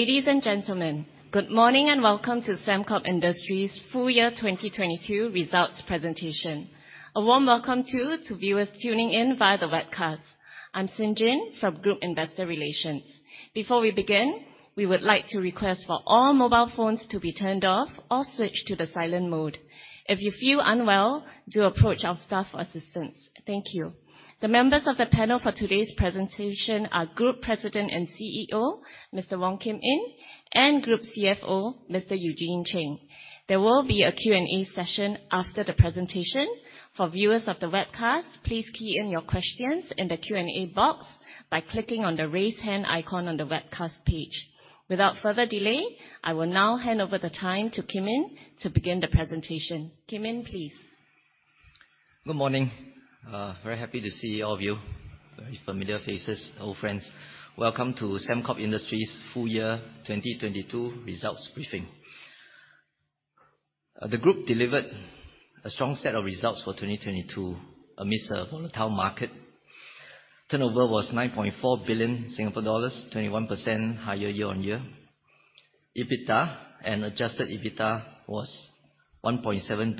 Ladies and gentlemen, good morning and welcome to Sembcorp Industries Full Year 2022 results presentation. A warm welcome too to viewers tuning in via the webcast. I'm Xin Jin from Group Investor Relations. Before we begin, we would like to request for all mobile phones to be turned off or switched to the silent mode. If you feel unwell, do approach our staff for assistance. Thank you. The members of the panel for today's presentation are Group President and CEO, Mr. Wong Kim Yin, and Group CFO, Mr. Eugene Cheng. There will be a Q&A session after the presentation. For viewers of the webcast, please key in your questions in the Q&A box by clicking on the raise hand icon on the webcast page. Without further delay, I will now hand over the time to Kim Yin to begin the presentation. Kim Yin, please. Good morning. Very happy to see all of you. Very familiar faces, old friends. Welcome to Sembcorp Industries Full Year 2022 results briefing. The group delivered a strong set of results for 2022 amidst a volatile market. Turnover was 9.4 billion Singapore dollars, 21% higher year-on-year. EBITDA and Adjusted EBITDA was SGD 1.7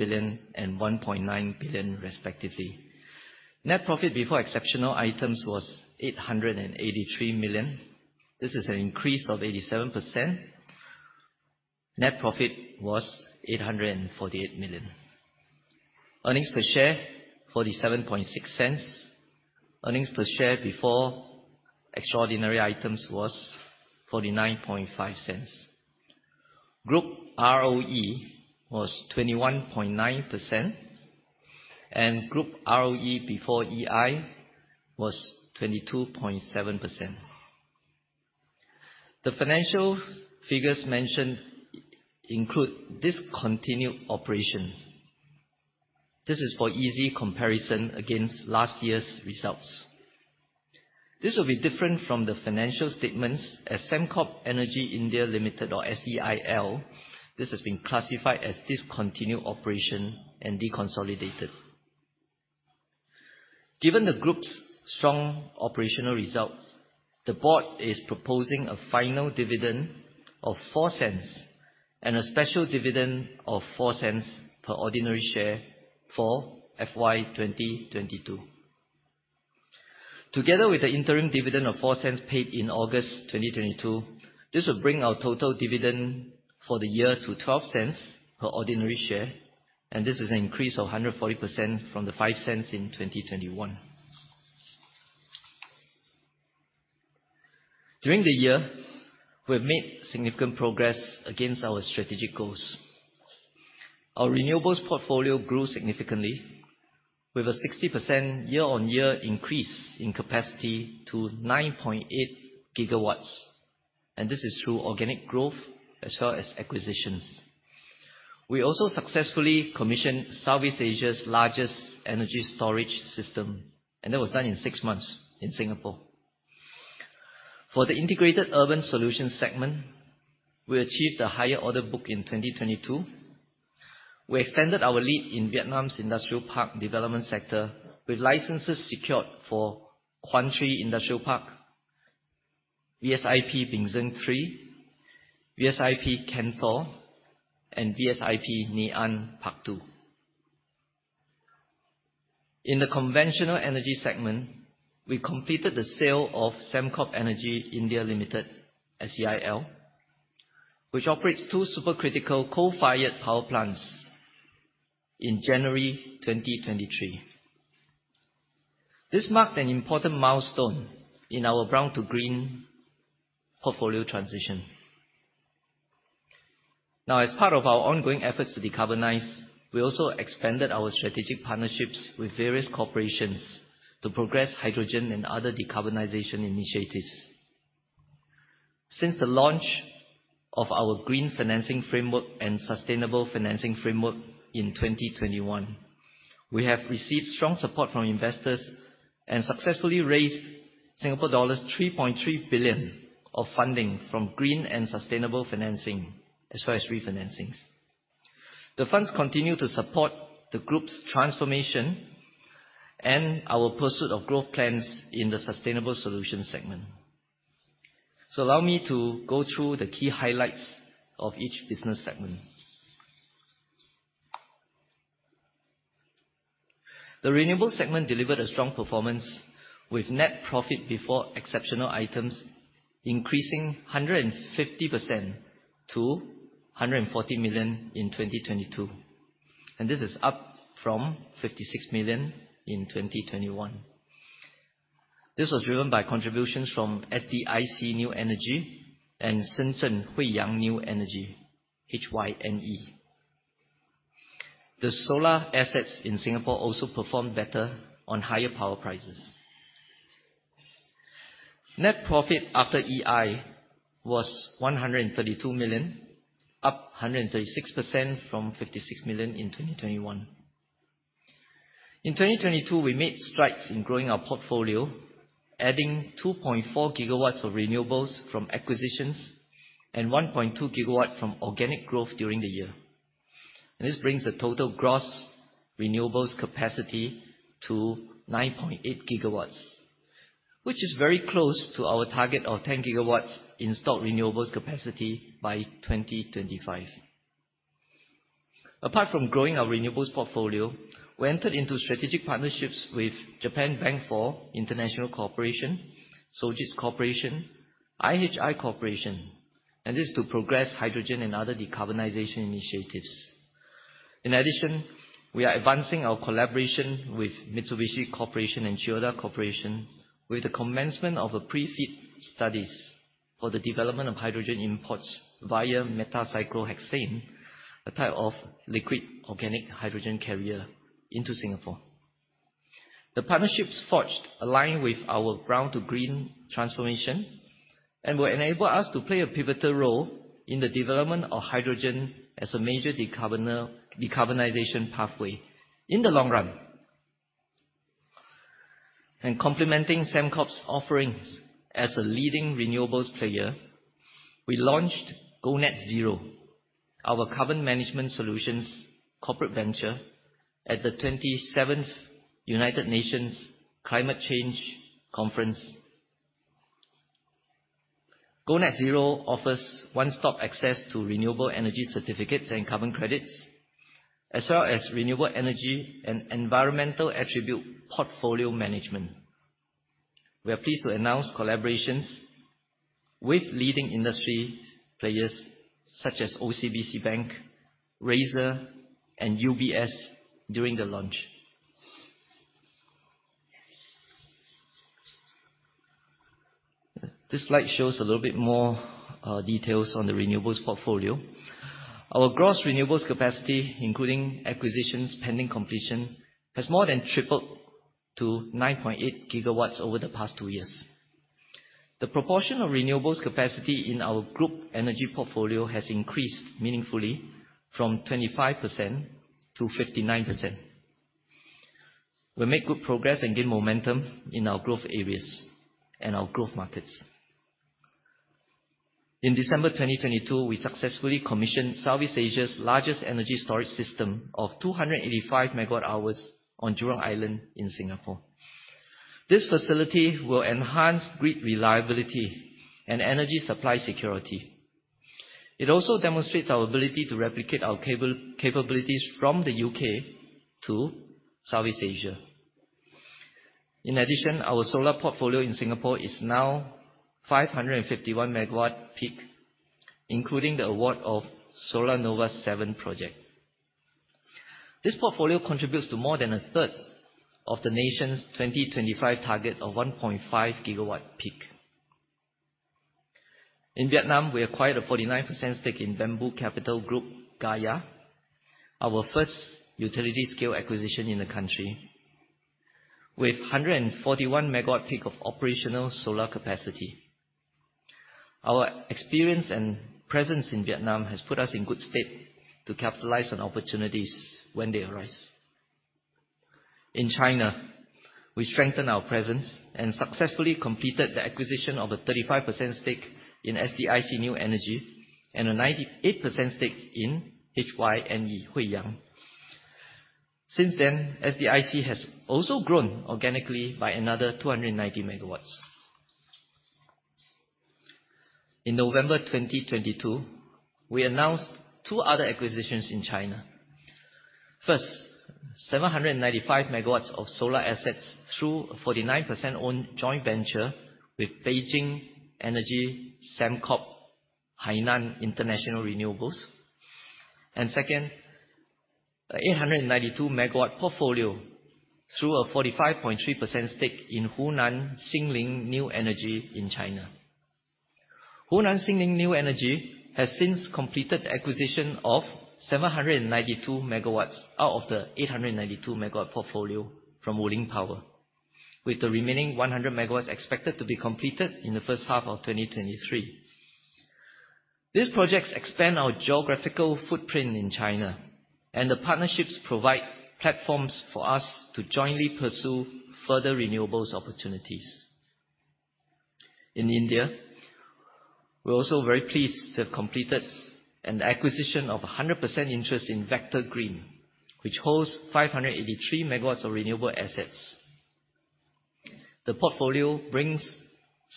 net profit before Exceptional Items was sgd 883 million. this is an increase of 87%. Net Profit was 848 million. Earnings Per Share, 0.476. Earnings Per Share before extraordinary items was SGD 0.495. Group ROE was 21.9% and group ROE before EI was 22.7%. The financial figures mentioned include discontinued operations. This is for easy comparison against last year's results. This will be different from the financial statements at Sembcorp Energy India Limited or SEIL. This has been classified as discontinued operation and deconsolidated. Given the group's strong operational results, the board is proposing a final dividend of 0.04 and a special dividend of 0.04 per ordinary share for FY2022. Together with the interim dividend of 0.04 paid in August 2022, this will bring our total dividend for the year to 0.12 per ordinary share. This is an increase of 140% from the 0.05 in 2021. During the year, we have made significant progress against our strategic goals. Our renewables portfolio grew significantly with a 60% year-on-year increase in capacity to 9.8 gigawatts. This is through organic growth as well as acquisitions. We also successfully commissioned Southeast Asia's largest Energy Storage System, and that was done in six months in Singapore. For the Integrated Urban Solution segment, we achieved a higher order book in 2022. We extended our lead in Vietnam's industrial park development sector with licenses secured for Quang Tri Industrial Park, VSIP Binh Duong III, VSIP Can Tho, and VSIP Nghe An II. In the Conventional Energy segment, we completed the sale of Sembcorp Energy India Limited, SEIL, which operates two supercritical coal-fired power plants in January 2023. This marked an important milestone in our brown-to-green portfolio transition. As part of our ongoing efforts to decarbonize, we also expanded our strategic partnerships with various corporations to progress hydrogen and other decarbonization initiatives. Since the launch of our Green Financing Framework and Sustainable Financing Framework in 2021, we have received strong support from investors and successfully raised Singapore dollars 3.3 billion of funding from green and sustainable financing, as well as refinancings. The funds continue to support the group's transformation and our pursuit of growth plans in the sustainable solution segment. Allow me to go through the key highlights of each business segment. The Renewables segment net profit before Exceptional Items increasing 150% to sgd 140 million in 2022, and this is up from 56 million in 2021. This was driven by contributions from SDIC New Energy and Shenzhen Huiyang New Energy, HYNE. The solar assets in Singapore also performed better on higher power prices. Net profit after EI was 132 million, up 136% from 56 million in 2021. In 2022, we made strides in growing our portfolio, adding 2.4 gigawatts of renewables from acquisitions and 1.2 gigawatts from organic growth during the year. This brings the total gross renewables capacity to 9.8 gigawatts, which is very close to our target of 10 gigawatts installed renewables capacity by 2025. Apart from growing our renewables portfolio, we entered into strategic partnerships with Japan Bank for International Cooperation, Sojitz Corporation, IHI Corporation, and this to progress hydrogen and other decarbonization initiatives. In addition, we are advancing our collaboration with Mitsubishi Corporation and Chiyoda Corporation with the commencement of a Pre-FEED studies for the development of hydrogen imports via Methylcyclohexane, a type of Liquid Organic Hydrogen Carrier into Singapore. The partnerships forged align with our brown-to-green transformation and will enable us to play a pivotal role in the development of hydrogen as a major decarbonization pathway in the long run. Complementing Sembcorp's offerings as a leading renewables player, we launched GoNetZero, our carbon management solutions corporate venture at the 27th United Nations Climate Change Conference. GoNetZero offers one-stop access to Renewable Energy Certificates and carbon credits, as well as renewable energy and environmental attribute portfolio management. We are pleased to announce collaborations with leading industry players such as OCBC Bank, Razer, and UBS during the launch. This slide shows a little bit more details on the renewables portfolio. Our gross renewables capacity, including acquisitions pending completion, has more than tripled to 9.8 gigawatts over the past 2 years. The proportion of renewables capacity in our group energy portfolio has increased meaningfully from 25% to 59%. We make good progress and gain momentum in our growth areas and our growth markets. In December 2022, we successfully commissioned Southeast Asia's largest Energy Storage System of 285 megawatt hours on Jurong Island in Singapore. This facility will enhance grid reliability and energy supply security. It also demonstrates our ability to replicate our capabilities from the UK to Southeast Asia. Our solar portfolio in Singapore is now 551 megawatt peak, including the award of SolarNova 7 project. This portfolio contributes to more than a third of the nation's 2025 target of 1.5 gigawatt peak. In Vietnam, we acquired a 49% stake in Bamboo Capital Group, GAIA, our first utility scale acquisition in the country. With 141 MW peak of operational solar capacity. Our experience and presence in Vietnam has put us in good state to capitalize on opportunities when they arise. In China, we strengthen our presence and successfully completed the acquisition of a 35% stake in SDIC New Energy and a 98% stake in HYNE Huiyang. Since then, SDIC has also grown organically by another 290 MW. In November 2022, we announced 2 other acquisitions in China. First, 795 MW of solar assets through a 49% owned joint venture with Beijing Energy Sembcorp (Hainan) International Renewables. Second, a 892 MW portfolio through a 45.3% stake in Hunan Xingling New Energy in China. Hunan Xingling New Energy has since completed the acquisition of 792 megawatts out of the 892 megawatt portfolio from Wuling Power, with the remaining 100 megawatts expected to be completed in the first half of 2023. These projects expand our geographical footprint in China, the partnerships provide platforms for us to jointly pursue further renewables opportunities. In India, we're also very pleased to have completed an acquisition of 100% interest in Vector Green, which holds 583 megawatts of renewable assets. The portfolio brings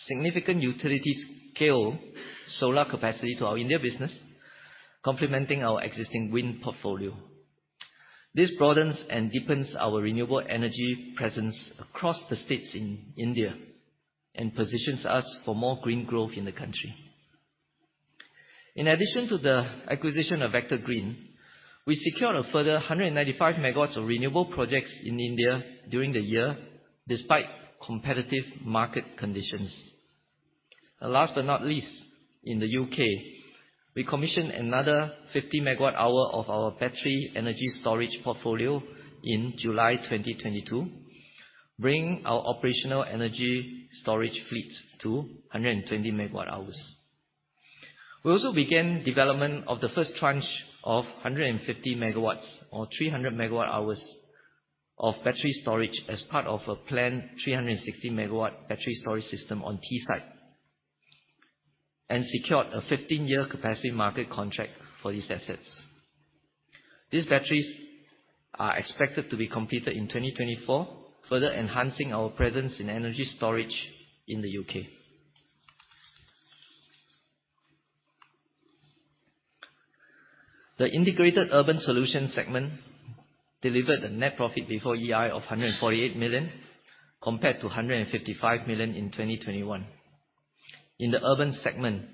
significant utility scale solar capacity to our India business, complementing our existing wind portfolio. This broadens and deepens our renewable energy presence across the states in India and positions us for more green growth in the country. In addition to the acquisition of Vector Green, we secured a further 195 MW of renewable projects in India during the year despite competitive market conditions. Last but not least, in the U.K., we commissioned another 50 MWh of our battery energy storage portfolio in July 2022, bringing our operational energy storage fleet to 120 MWh. We also began development of the first tranche of 150 MW or 300 MWh of battery storage as part of a planned 360 MW battery storage system on Teesside. Secured a 15-year Capacity Market Contract for these assets. These batteries are expected to be completed in 2024, further enhancing our presence in energy storage in the U.K. The Integrated Urban Solution segment delivered a net profit before EI of 148 million, compared to 155 million in 2021. In the urban segment,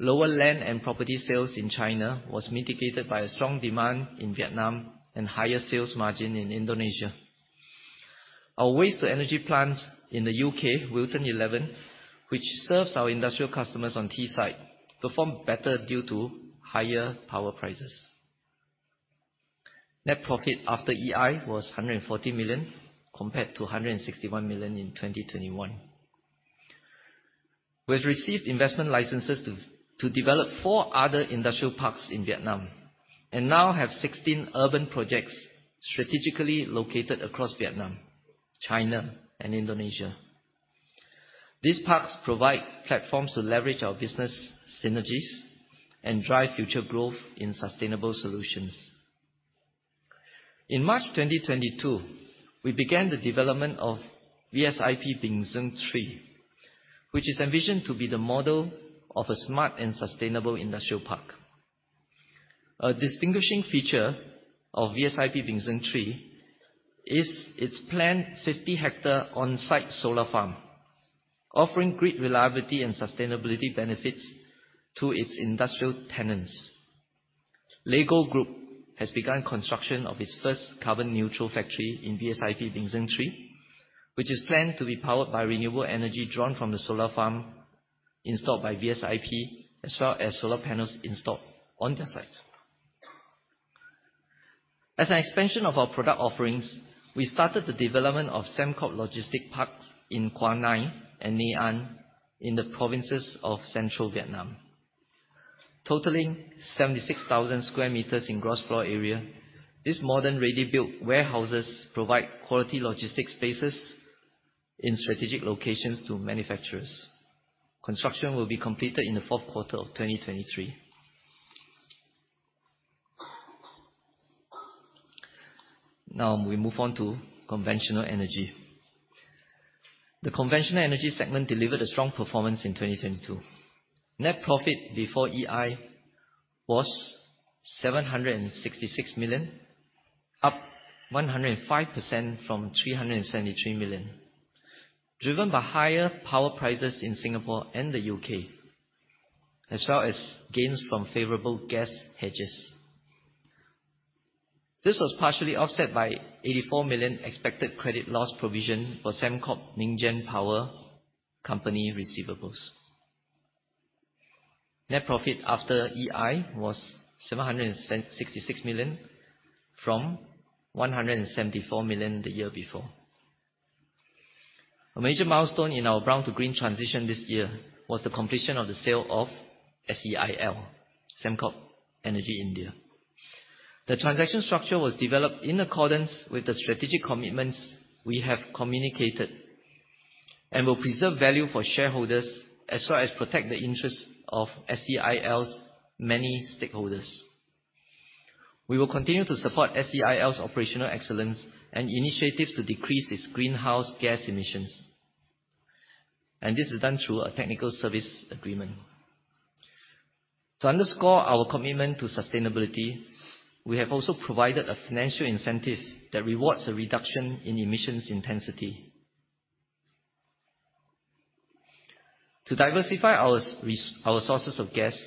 lower land and property sales in China was mitigated by a strong demand in Vietnam and higher sales margin in Indonesia. Our waste to energy plant in the UK, Wilton 11, which serves our industrial customers on Teesside, performed better due to higher power prices. Net profit after EI was 140 million compared to 161 million in 2021. We have received investment licenses to develop four other industrial parks in Vietnam, and now have 16 urban projects strategically located across Vietnam, China and Indonesia. These parks provide platforms to leverage our business synergies and drive future growth in sustainable solutions. In March 2022, we began the development of VSIP Binh Duong III, which is envisioned to be the model of a smart and sustainable industrial park. A distinguishing feature of VSIP Binh Duong III is its planned 50 hectares on-site solar farm, offering great reliability and sustainability benefits to its industrial tenants. The LEGO Group has begun construction of its first carbon neutral factory in VSIP Binh Duong III, which is planned to be powered by renewable energy drawn from the solar farm installed by VSIP, as well as solar panels installed on their sites. As an expansion of our product offerings, we started the development of Sembcorp Logistics Parks in Quang Ngai and Nghe An in the provinces of central Vietnam. Totaling 76,000 square meters in gross floor area, these modern ready-built warehouses provide quality logistics spaces in strategic locations to manufacturers. Construction will be completed in the fourth quarter of 2023. We move on to Conventional Energy. The Conventional Energy segment delivered a strong performance in 2022. Net profit before EI was 766 million, up 105% from 373 million, driven by higher power prices in Singapore and the U.K., as well as gains from favorable gas hedges. This was partially offset by 84 million Expected Credit Loss provision for Sembcorp MingGen Power Company receivables. Net profit after EI was 766 million from 174 million the year before. A major milestone in our brown-to-green transition this year was the completion of the sale of SEIL, Sembcorp Energy India. The transaction structure was developed in accordance with the strategic commitments we have communicated and will preserve value for shareholders as well as protect the interests of SEIL's many stakeholders. We will continue to support SEIL's operational excellence and initiatives to decrease its greenhouse gas emissions. This is done through a technical service agreement. To underscore our commitment to sustainability, we have also provided a financial incentive that rewards a reduction in emissions intensity. To diversify our sources of gas,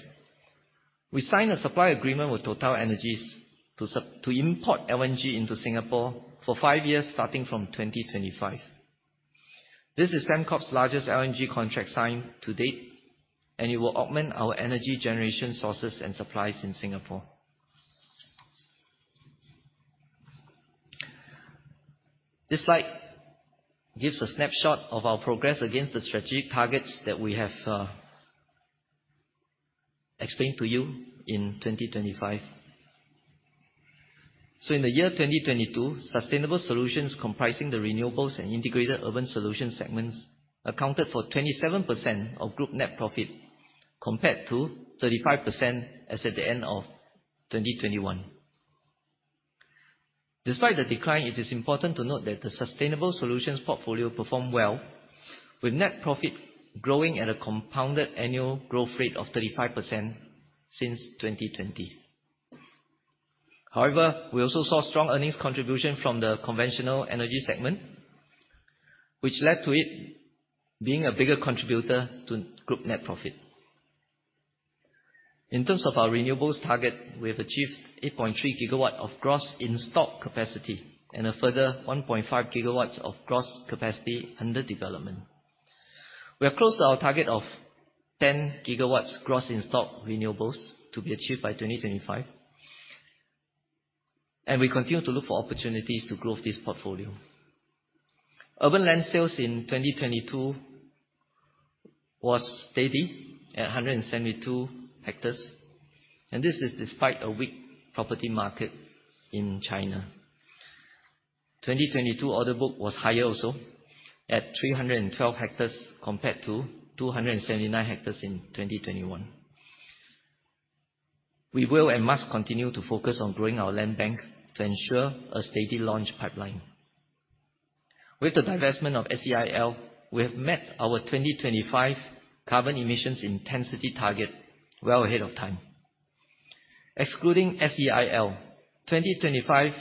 we signed a supply agreement with TotalEnergies to import LNG into Singapore for 5 years starting from 2025. This is Sembcorp's largest LNG contract signed to date, and it will augment our energy generation sources and supplies in Singapore. This slide gives a snapshot of our progress against the strategic targets that we have explained to you in 2025. In the year 2022, sustainable solutions comprising the renewables and Integrated Urban Solution segments accounted for 27% of group net profit compared to 35% as at the end of 2021. Despite the decline, it is important to note that the sustainable solutions portfolio performed well with net profit growing at a compounded annual growth rate of 35% since 2020. We also saw strong earnings contribution from the Conventional Energy segment, which led to it being a bigger contributor to group net profit. In terms of our renewables target, we have achieved 8.3 GW of gross in-stock capacity and a further 1.5 GW of gross capacity under development. We are close to our target of 10 GW gross in-stock renewables to be achieved by 2025, and we continue to look for opportunities to grow this portfolio. Urban land sales in 2022 was steady at 172 hectares. This is despite a weak property market in China. 2022 order book was higher also at 312 hectares compared to 279 hectares in 2021. We will and must continue to focus on growing our land bank to ensure a steady launch pipeline. With the divestment of SEIL, we have met our 2025 carbon emissions intensity target well ahead of time. Excluding SEIL, 2025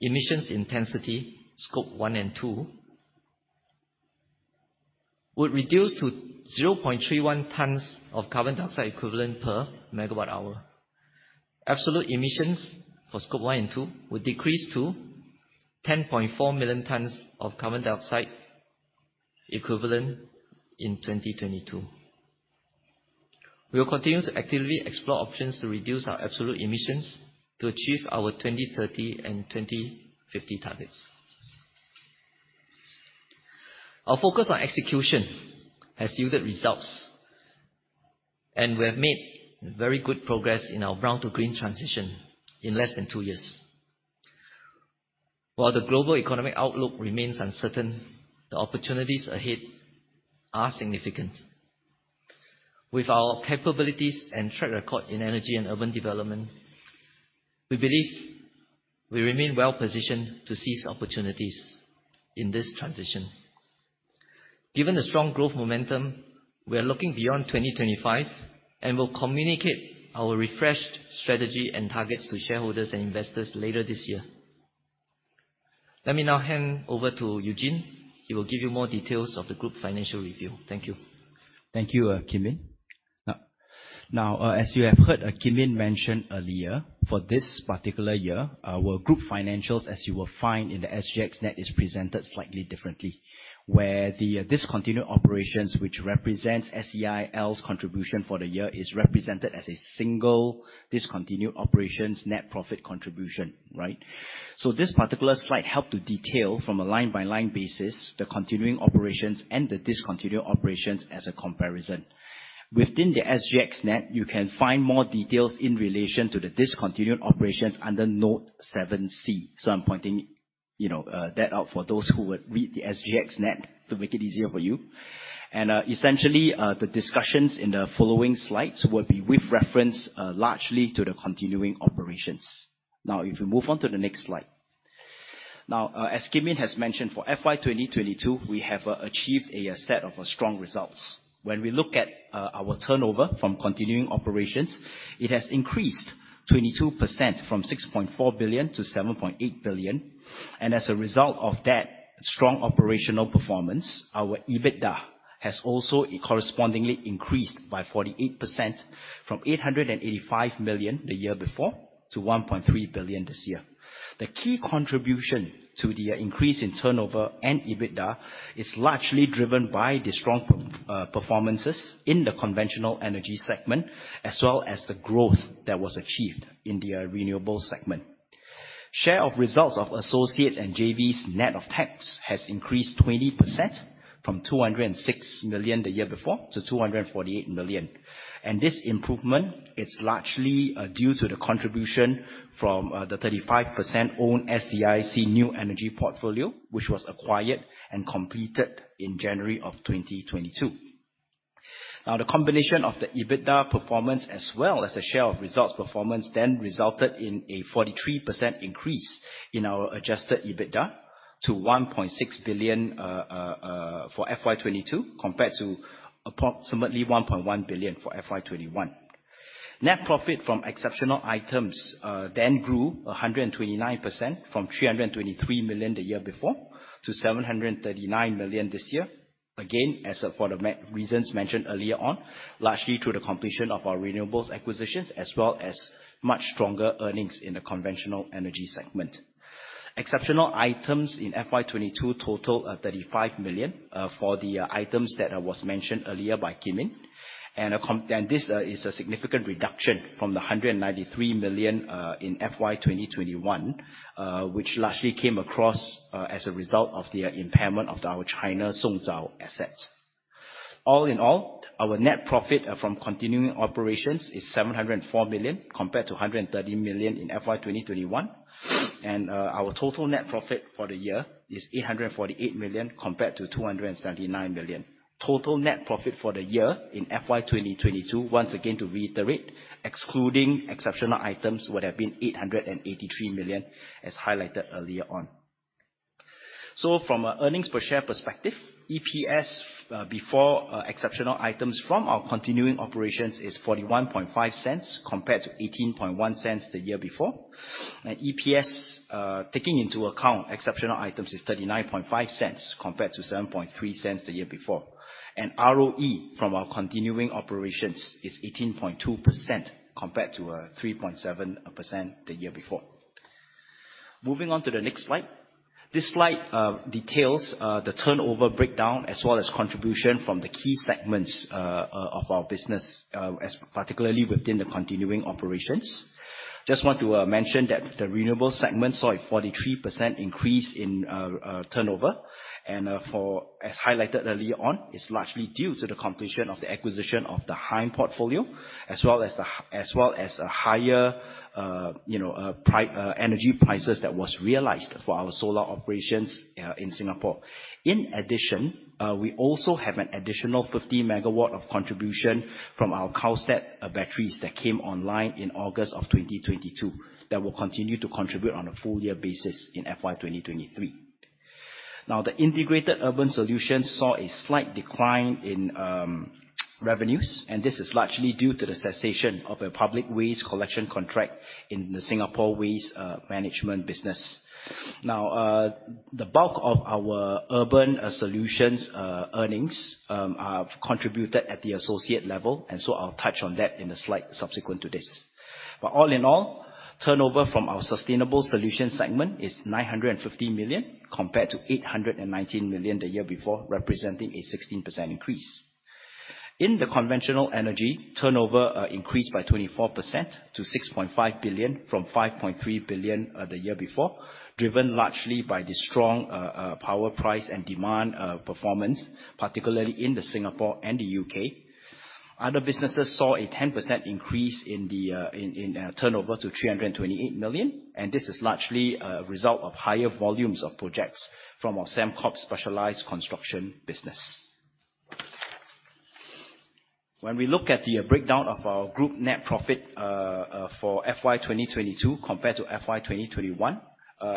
emissions intensity, Scope 1 and 2, would reduce to 0.31 tons of carbon dioxide equivalent per megawatt hour. Absolute emissions for Scope 1 and 2 would decrease to 10.4 million tons of carbon dioxide equivalent in 2022. We will continue to actively explore options to reduce our absolute emissions to achieve our 2030 and 2050 targets. Our focus on execution has yielded results. We have made very good progress in our brown-to-green transition in less than two years. While the global economic outlook remains uncertain, the opportunities ahead are significant. With our capabilities and track record in energy and urban development, we believe we remain well-positioned to seize opportunities in this transition. Given the strong growth momentum, we are looking beyond 2025 and will communicate our refreshed strategy and targets to shareholders and investors later this year. Let me now hand over to Eugene. He will give you more details of the group financial review. Thank you. Thank you, Kim Yin. As you have heard Kim Yin mention earlier, for this particular year, our group financials, as you will find in the SGXNet, is presented slightly differently. Where the discontinued operations, which represents SEIL's contribution for the year, is represented as a single discontinued operations net profit contribution, right? This particular slide help to detail from a line-by-line basis the continuing operations and the discontinued operations as a comparison. Within the SGXNet, you can find more details in relation to the discontinued operations under Note 7C. I'm pointing, you know, that out for those who would read the SGXNet to make it easier for you. Essentially, the discussions in the following slides will be with reference, largely to the continuing operations. If you move on to the next slide. As Kim Yin has mentioned, for FY2022, we have achieved a set of strong results. When we look at our turnover from continuing operations, it has increased 22% from 6.4 billion to 7.8 billion. As a result of that strong operational performance, our EBITDA has also correspondingly increased by 48% from 885 million the year before to 1.3 billion this year. The key contribution to the increase in turnover and EBITDA is largely driven by the strong performances in the Conventional Energy segment, as well as the growth that was achieved in the Renewable segment. Share of results of associates and JVs net of tax has increased 20% from 206 million the year before to 248 million. This improvement, it's largely due to the contribution from the 35%-owned SDIC New Energy portfolio, which was acquired and completed in January of 2022. The combination of the EBITDA performance as well as the share of results performance then resulted in a 43% increase in our Adjusted EBITDA to 1.6 billion for FY22 compared to approximately 1.1 billion for FY21. Net profit from Exceptional Items then grew 129% from 323 million the year before to 739 million this year. As for the reasons mentioned earlier on, largely through the completion of our renewables acquisitions, as well as much stronger earnings in the Conventional Energy segment. Exceptional Items in FY2022 total 35 million for the items that was mentioned earlier by Kim Yin. This is a significant reduction from 193 million in FY2021, which largely came across as a result of the impairment of our Chongqing Songzao assets. All in all, our net profit from continuing operations is 704 million compared to 130 million in FY2021. Our total net profit for the year is 848 million compared to 279 million. Total net profit for the year in FY2022, once again to reiterate, excluding Exceptional Items, would have been 883 million, as highlighted earlier on. So from an Earnings Per Share perspective, EPS before Exceptional Items from our continuing operations is 41.5 cents compared to 18.1 cents the year before. EPS taking into account Exceptional Items is 39.5 cents compared to 7.3 cents the year before. ROE from our continuing operations is 18.2% compared to 3.7% the year before. Moving on to the next slide. This slide details the turnover breakdown as well as contribution from the key segments of our business, particularly within the continuing operations. Just want to mention that the Renewable segment saw a 43% increase in turnover. And for... as highlighted early on, it's largely due to the completion of the acquisition of the HYNE portfolio, as well as a higher, you know, energy prices that was realized for our solar operations in Singapore. In addition, we also have an additional 50 megawatt of contribution from our CalSET batteries that came online in August of 2022, that will continue to contribute on a Full Year basis in FY2023. The Integrated Urban Solution saw a slight decline in revenues, and this is largely due to the cessation of a public waste collection contract in the Singapore waste management business. The bulk of our urban solutions earnings are contributed at the associate level, and so I'll touch on that in a slide subsequent to this. All in all, turnover from our sustainable solutions segment is 950 million compared to 819 million the year before, representing a 16% increase. In the Conventional Energy, turnover increased by 24% to 6.5 billion from 5.3 billion the year before, driven largely by the strong power price and demand performance, particularly in Singapore and the UK. Other businesses saw a 10% increase in turnover to 328 million, and this is largely a result of higher volumes of projects from our Sembcorp Specialised Construction business. When we look at the breakdown of our group net profit for FY2022 compared to FY2021,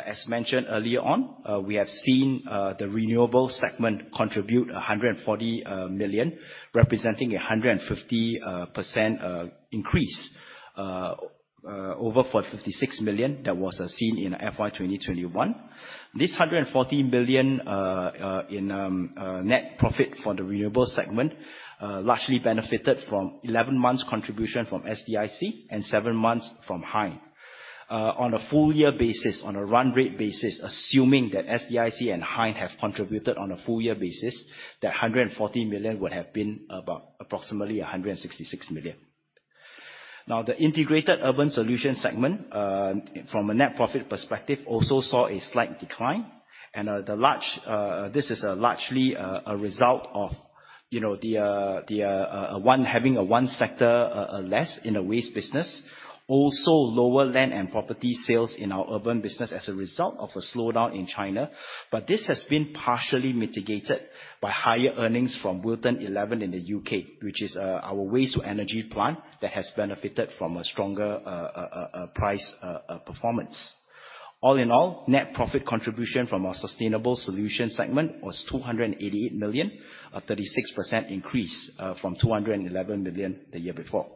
as mentioned earlier on, we have seen the Renewable segment contribute 140 million, representing a 150% increase over for 56 million that was seen in FY2021. This 140 million in net profit for the Renewable segment largely benefited from 11 months contribution from SDIC and 7 months from HYNE. On a Full Year basis, on a run rate basis, assuming that SDIC and HYNE have contributed on a Full Year basis, that 140 million would have been about approximately 166 million. The Integrated Urban Solution segment, from a net profit perspective, also saw a slight decline and this is largely a result of, you know, one having one sector less in the waste business. Also lower land and property sales in our urban business as a result of a slowdown in China. This has been partially mitigated by higher earnings from Wilton Eleven in the UK, which is our waste to energy plant that has benefited from a stronger price performance. All in all, net profit contribution from our sustainable solutions segment was 288 million, a 36% increase from 211 million the year before.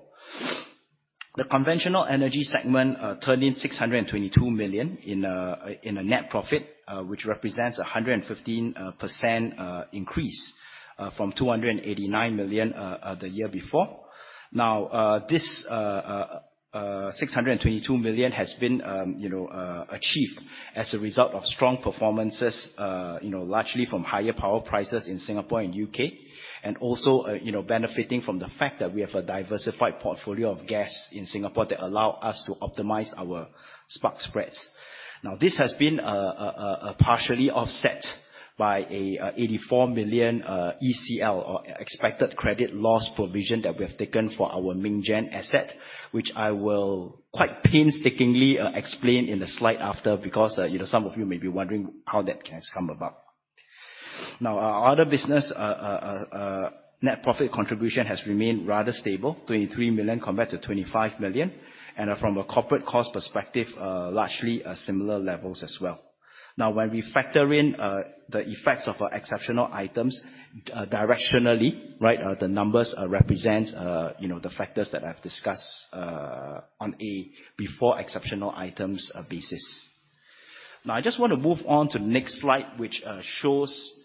The Conventional Energy segment turned in 622 million in a net profit, which represents 115% increase from 289 million the year before. This 622 million has been, you know, achieved as a result of strong performances, you know, largely from higher power prices in Singapore and U.K. You know, benefiting from the fact that we have a diversified portfolio of gas in Singapore that allow us to optimize our spark spreads. This has been partially offset by a $84 million ECL or Expected Credit Loss provision that we have taken for our MingGen asset, which I will quite painstakingly explain in a slide after, because, you know, some of you may be wondering how that has come about. Our Other Business net profit contribution has remained rather stable, 23 million compared to 25 million. From a corporate cost perspective, largely similar levels as well. When we factor in the effects of our Exceptional Items, directionally, right, the numbers represent, you know, the factors that I've discussed on a before Exceptional Items basis. I just want to move on to the next slide, which shows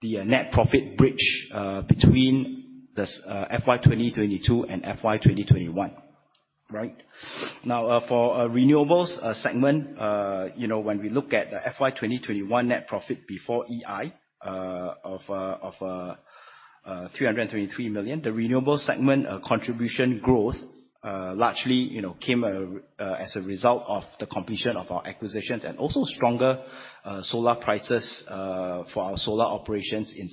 the net profit bridge between this FY2022 and FY2021. Right. For our Renewables segment, you know, when we look at the FY2021 net profit before EI, of 323 million. The Renewables segment contribution growth, you know, largely came as a result of the completion of our acquisitions and also stronger solar prices for our solar operations in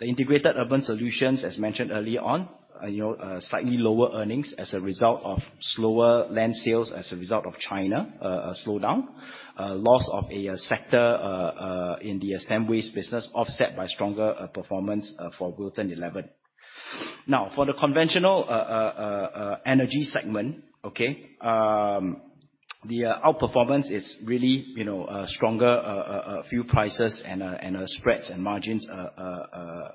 Integrated Urban Solutions, as mentioned early on, you know, slightly lower earnings as a result of slower land sales as a result of China slowdown. Loss of a sector in the assemblies business offset by stronger performance for Wilton 11. For the Conventional Energy segment, okay, the outperformance is really, you know, stronger fuel prices and spreads and margins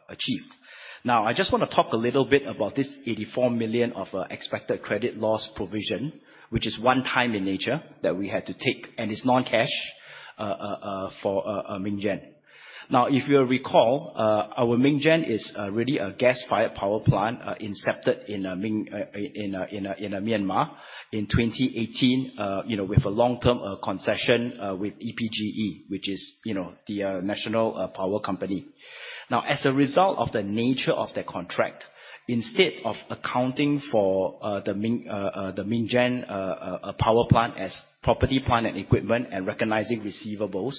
achieved. I just wanna talk a little bit about this 84 million of Expected Credit Loss provision, which is one time in nature that we had to take, and it's non-cash for MingGen. If you recall, our MingGen is really a gas-fired power plant incepted in Myanmar in 2018, you know, with a long-term concession with EPGE, which is, you know, the national power company. As a result of the nature of the contract, instead of accounting for the MingGen power plant as property, plant, and equipment and recognizing receivables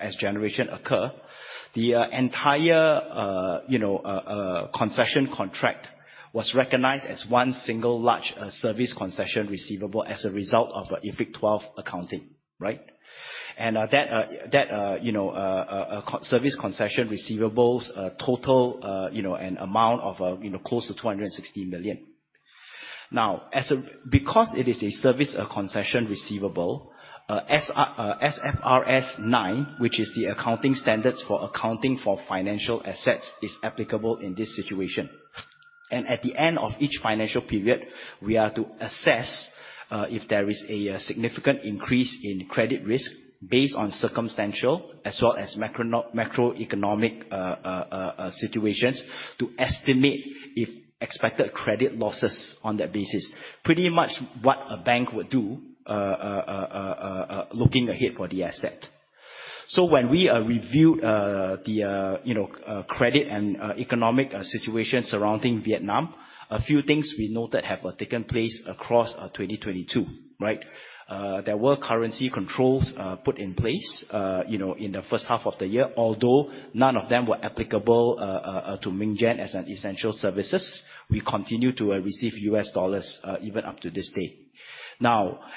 as generation occur, the entire, you know, concession contract was recognized as one single large service concession receivable as a result of IFRS 12 accounting, right? That, you know, service concession receivables total, you know, an amount of, you know, close to 260 million. Because it is a service concession receivable, SFRS 9, which is the accounting standards for accounting for financial assets, is applicable in this situation. At the end of each financial period, we are to assess if there is a significant increase in credit risk based on circumstantial as well as macroeconomic situations to estimate if Expected Credit Losses on that basis. Pretty much what a bank would do looking ahead for the asset. When we reviewed the, you know, credit and economic situation surrounding Vietnam, a few things we noted have taken place across 2022, right? There were currency controls put in place, you know, in the first half of the year, although none of them were applicable to Minggen as an essential services. We continue to receive US dollars even up to this day.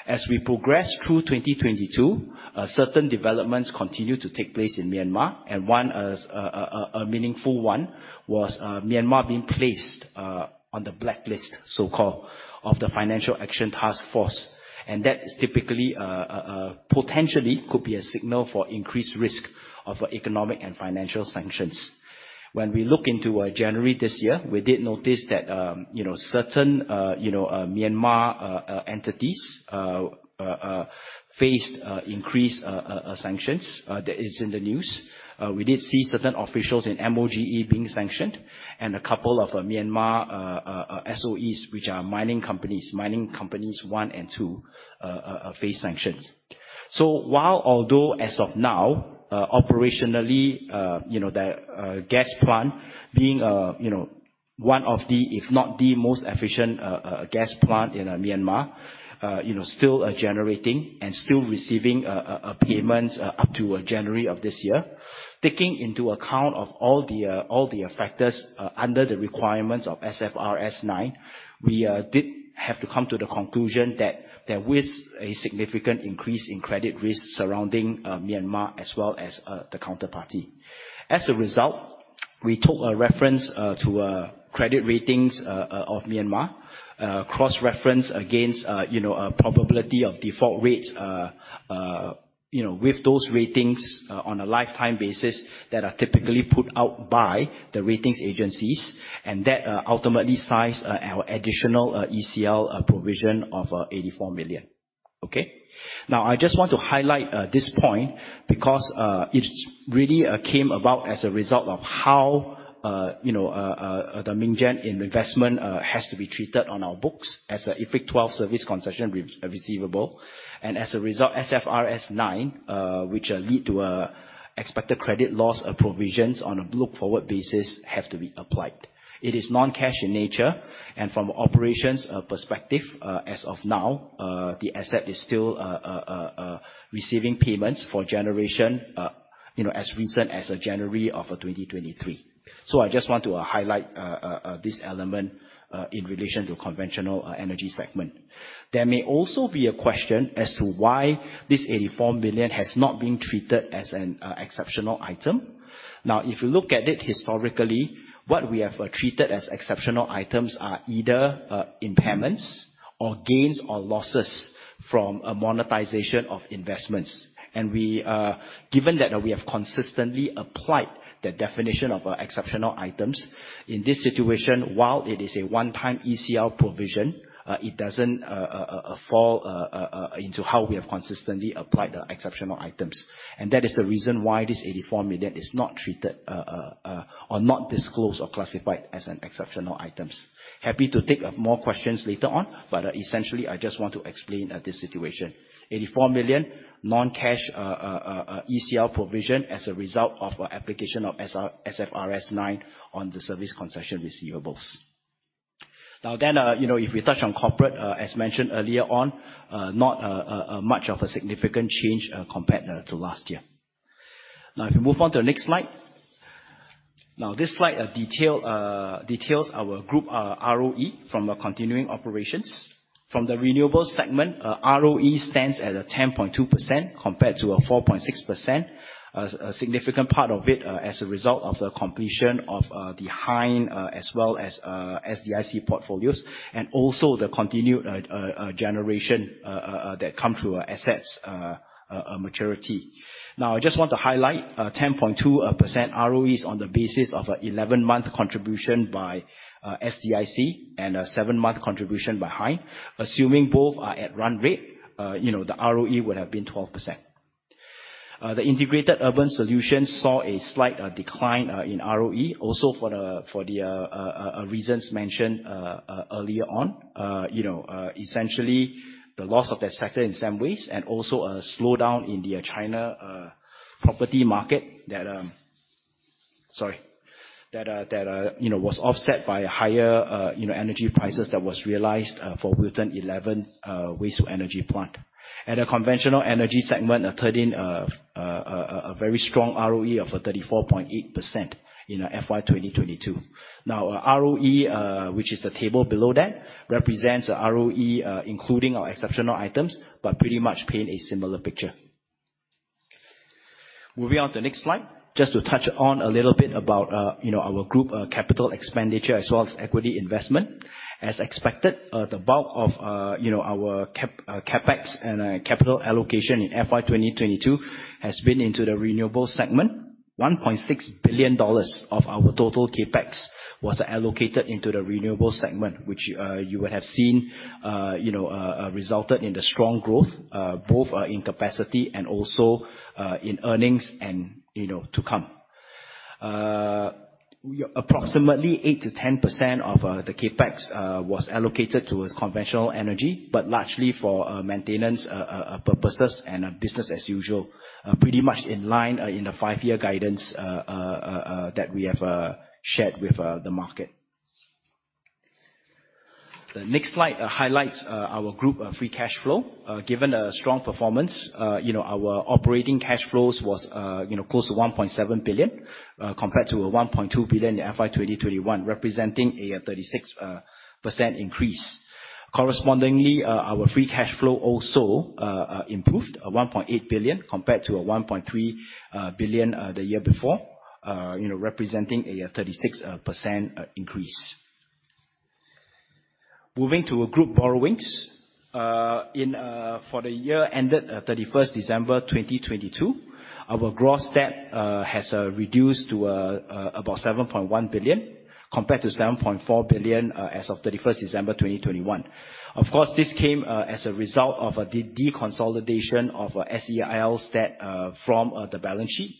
As we progress through 2022, certain developments continue to take place in Myanmar. One, a meaningful one, was Myanmar being placed on the blacklist, so-called, of the Financial Action Task Force. That typically potentially could be a signal for increased risk of economic and financial sanctions. When we look into January this year, we did notice that, you know, certain, you know, Myanmar entities faced increased sanctions. That is in the news. We did see certain officials in MOGE being sanctioned and a couple of Myanmar SOEs, which are mining companies, Mining Companies 1 and 2, face sanctions. While although as of now, operationally, you know, the gas plant being, you know, one of the, if not the most efficient, gas plant in Myanmar, you know, still generating and still receiving payments up to January of this year. Taking into account of all the, all the factors under the requirements of SFRS 9, we did have to come to the conclusion that there is a significant increase in credit risk surrounding Myanmar as well as the counterparty. As a result, we took a reference to credit ratings of Myanmar cross-reference against you know a probability of default rates you know with those ratings on a lifetime basis that are typically put out by the ratings agencies, and that ultimately sized our additional ECL provision of 84 million. Okay? Now I just want to highlight this point because it really came about as a result of how you know the MingGen investment has to be treated on our books as a IFRS 12 service concession receivable. As a result, SFRS 9 which lead to expected credit loss provisions on a look-forward basis have to be applied. It is non-cash in nature, and from an operations perspective, as of now, the asset is still receiving payments for generation, you know, as recent as January of 2023. I just want to highlight this element in relation to Conventional Energy segment. There may also be a question as to why this 84 million has not been treated as an exceptional item. If you look at it historically, what we have treated as Exceptional Items are either impairments or gains or losses from a monetization of investments. We, given that we have consistently applied the definition of Exceptional Items, in this situation, while it is a one-time ECL provision, it doesn't fall into how we have consistently applied the Exceptional Items. That is the reason why this 84 million is not treated or not disclosed or classified as an Exceptional Items. Happy to take more questions later on, but essentially, I just want to explain this situation. 84 million non-cash ECL provision as a result of application of SFRS(I) 9 on the service concession receivables. Then, you know, if we touch on corporate, as mentioned earlier on, not much of a significant change, compared to last year. If you move on to the next slide. This slide, detail, details our group ROE from a continuing operations. From the Renewables segment, ROE stands at 10.2% compared to 4.6%. A significant part of it, as a result of the completion of the HYNE, as well as SDIC portfolios and also the continued generation that come through our assets maturity. Now, I just want to highlight 10.2% ROEs on the basis of a 11-month contribution by SDIC and a 7-month contribution by HYNE. Assuming both are at run rate, you know, the ROE would have been Integrated Urban Solutions saw a slight decline in ROE also for the reasons mentioned earlier on. You know, essentially the loss of that sector in some ways and also a slowdown in the China property market that... Sorry. That, you know, was offset by higher, you know, energy prices that was realized for Wilton 11 waste to energy plant. A Conventional Energy segment turned in a very strong ROE of 34.8% in FY2022. Now, ROE, which is the table below that, represents ROE, including our Exceptional Items, but pretty much paint a similar picture. Moving on to the next slide, just to touch on a little bit about, you know, our group capital expenditure as well as equity investment. As expected, the bulk of, you know, our capex and capital allocation in FY2022 has been into the Renewable segment. 1.6 billion of our total CapEx was allocated into the Renewable segment, which, you would have seen, you know, resulted in the strong growth, both in capacity and also in earnings and, you know, to come. Approximately 8%-10% of the CapEx was allocated to Conventional Energy, but largely for maintenance purposes and business as usual. Pretty much in line in the five-year guidance that we have shared with the market. The next slide highlights our group free cash flow. Given a strong performance, you know, our operating cash flows was, you know, close to 1.7 billion compared to 1.2 billion in FY2021, representing a 36% increase. Correspondingly, our free cash flow also improved 1.8 billion compared to 1.3 billion the year before, you know, representing a 36% increase. Moving to group borrowings. In for the year ended December 31, 2022, our gross debt has reduced to about 7.1 billion compared to 7.4 billion as of December 31, 2021. Of course, this came as a result of the deconsolidation of SEIL's debt from the balance sheet.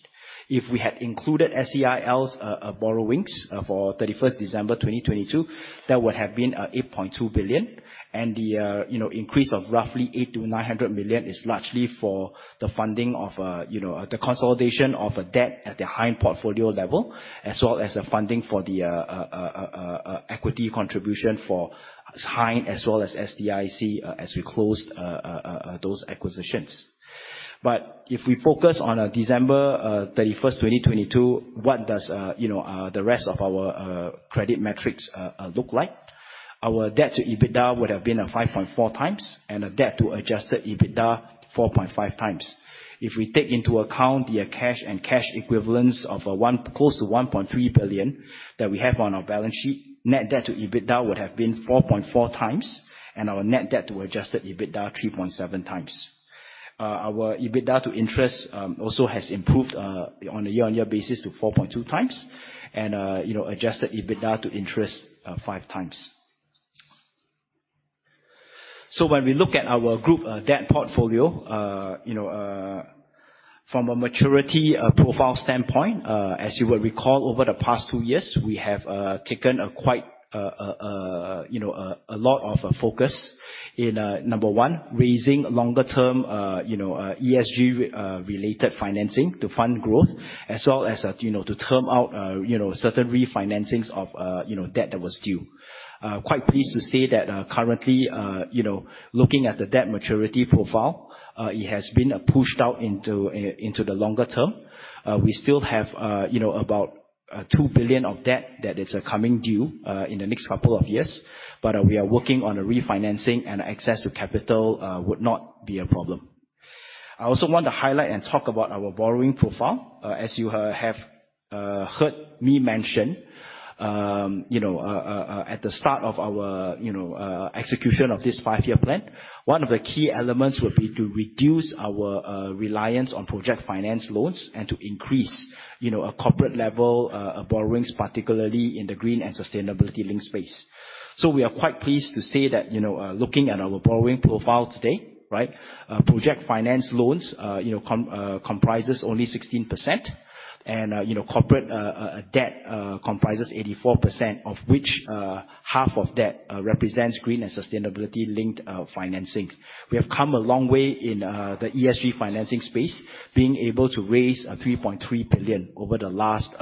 If we had included SEIL's borrowings for December 31, 2022, that would have been 8.2 billion. The, you know, increase of roughly 800 million-900 million is largely for the funding of, you know, the consolidation of debt at the HYNE portfolio level, as well as the funding for the equity contribution for HYNE as well as SDIC, as we closed those acquisitions. If we focus on December 31, 2022, what does, you know, the rest of our credit metrics look like? Our debt to EBITDA would have been a 5.4 times, and a debt to Adjusted EBITDA, 4.5 times. If we take into account the cash and cash equivalents of one... close to 1.3 billion that we have on our balance sheet, net debt to EBITDA would have been 4.4 times, and our net debt to Adjusted EBITDA, 3.7 times. Our EBITDA to interest also has improved on a year-on-year basis to 4.2 times and, you know, Adjusted EBITDA to interest, 5 times. When we look at our group debt portfolio, you know, from a maturity profile standpoint, as you would recall, over the past 2 years, we have taken a quite, you know, a lot of focus in number one, raising longer-term, you know, ESG related financing to fund growth, as well as, you know, to term out, you know, certain refinancings of, you know, debt that was due. Quite pleased to say that, you know, looking at the debt maturity profile, it has been pushed out into the longer term. We still have, you know, about 2 billion of debt that is coming due in the next couple of years. We are working on a refinancing, and access to capital would not be a problem. I also want to highlight and talk about our borrowing profile. As you have heard me mention, you know, at the start of our, you know, execution of this five-year plan, one of the key elements will be to reduce our reliance on project finance loans and to increase, you know, a corporate level borrowings, particularly in the green and sustainability-linked space. We are quite pleased to say that, you know, looking at our borrowing profile today, right? Project finance loans, you know, comprises only 16%, and, you know, corporate debt comprises 84%, of which half of that represents green and sustainability-linked financing. We have come a long way in the ESG financing space, being able to raise 3.3 billion over the last,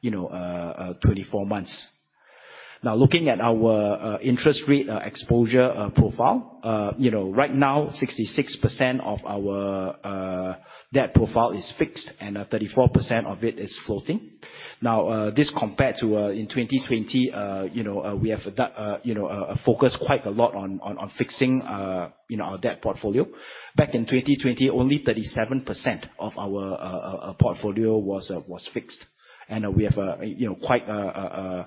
you know, 24 months. Looking at our interest rate exposure profile, you know, right now 66% of our debt profile is fixed and 34% of it is floating. This compared to in 2020, you know, we have, you know, focused quite a lot on fixing, you know, our debt portfolio. Back in 2020, only 37% of our portfolio was fixed. We have, you know, quite, you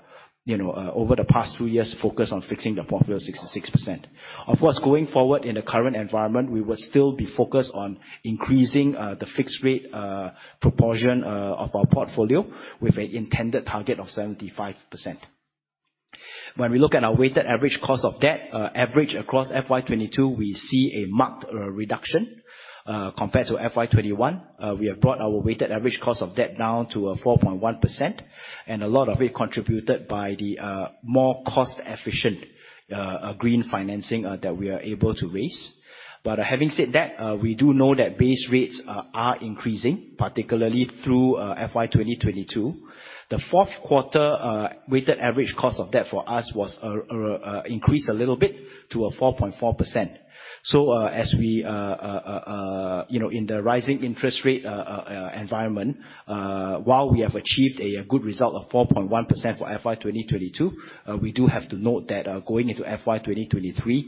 know, over the past two years, focused on fixing the portfolio 66%. Of course, going forward in the current environment, we will still be focused on increasing the fixed rate proportion of our portfolio with an intended target of 75%. When we look at our weighted average cost of debt, average across FY22, we see a marked reduction compared to FY21. We have brought our weighted average cost of debt down to a 4.1%, and a lot of it contributed by the more cost-efficient green financing that we are able to raise. Having said that, we do know that base rates are increasing, particularly through FY2022. The fourth quarter weighted average cost of debt for us was increased a little bit to a 4.4%. As we, you know, in the rising interest rate environment, while we have achieved a good result of 4.1% for FY2022, we do have to note that going into FY2023,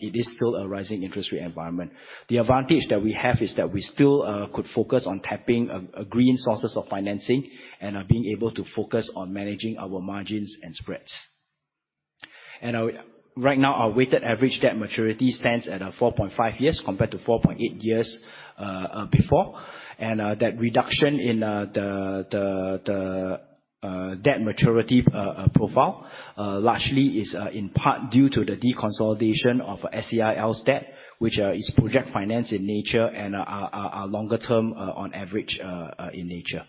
it is still a rising interest rate environment. The advantage that we have is that we still could focus on tapping green sources of financing and are being able to focus on managing our margins and spreads. Right now, our weighted average debt maturity stands at a 4.5 years compared to 4.8 years before. That reduction in the debt maturity profile largely is in part due to the deconsolidation of SEIL's debt, which is project finance in nature and are longer term, on average, in nature.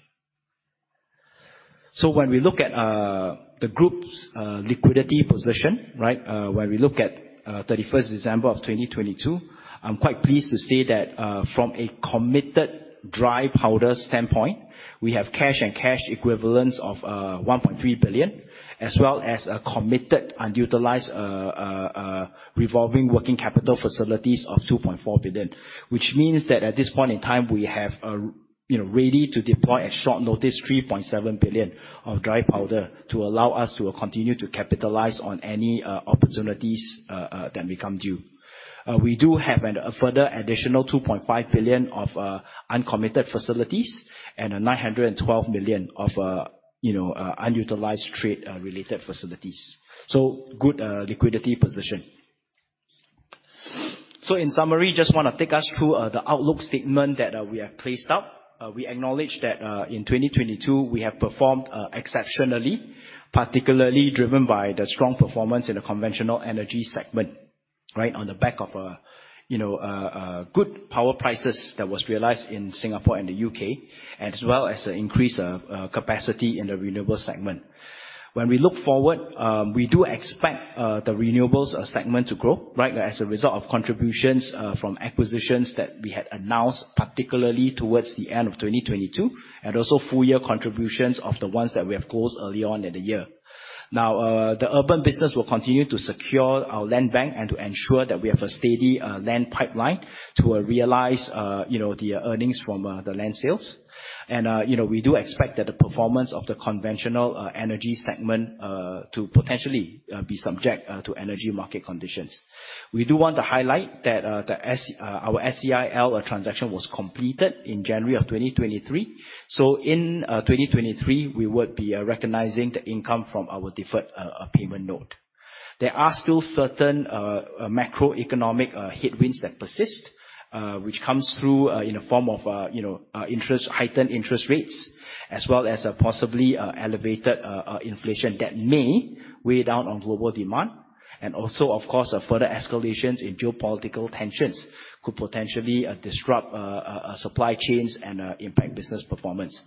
When we look at the group's liquidity position, right? When we look at 31st December of 2022, I'm quite pleased to say that from a committed dry powder standpoint, we have cash and cash equivalents of 1.3 billion, as well as a committed unutilized revolving working capital facilities of 2.4 billion. This means that at this point in time, we have, you know, ready to deploy at short notice, 3.7 billion of dry powder to allow us to continue to capitalize on any opportunities that become due. We do have a further additional 2.5 billion of uncommitted facilities and 912 million of, you know, unutilized trade related facilities. Good liquidity position. In summary, just want to take us through the outlook statement that we have placed up. We acknowledge that in 2022, we have performed exceptionally, particularly driven by the strong performance in the Conventional Energy segment, right on the back of, you know, good power prices that was realized in Singapore and the UK, and as well as the increase of capacity in the Renewable segment. When we look forward, we do expect the Renewables segment to grow, right? As a result of contributions from acquisitions that we had announced, particularly towards the end of 2022, and also full-year contributions of the ones that we have closed early on in the year. Now, the urban business will continue to secure our land bank and to ensure that we have a steady land pipeline to realize, you know, the earnings from the land sales. You know, we do expect that the performance of the Conventional Energy segment to potentially be subject to energy market conditions. We do want to highlight that our SEIL transaction was completed in January of 2023. In 2023, we would be recognizing the income from our deferred payment note. There are still certain macroeconomic headwinds that persist, which comes through in a form of, you know, interest, heightened interest rates, as well as a possibly elevated inflation that may weigh down on global demand. Also, of course, further escalations in geopolitical tensions could potentially disrupt supply chains and impact business performance.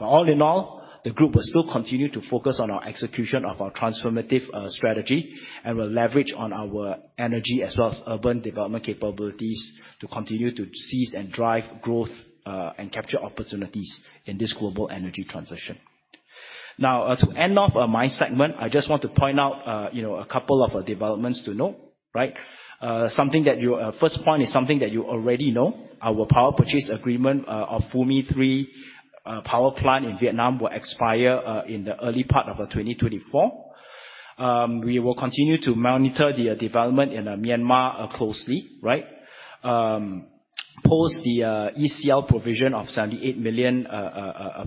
All in all, the group will still continue to focus on our execution of our transformative strategy and will leverage on our energy as well as urban development capabilities to continue to seize and drive growth and capture opportunities in this global energy transition. To end off my segment, I just want to point out, you know, a couple of developments to note, right? Something that you already know. Our power purchase agreement of Phu My 3 power plant in Vietnam will expire in the early part of a 2024. We will continue to monitor the development in Myanmar closely, right? Post the ECL provision of $78 million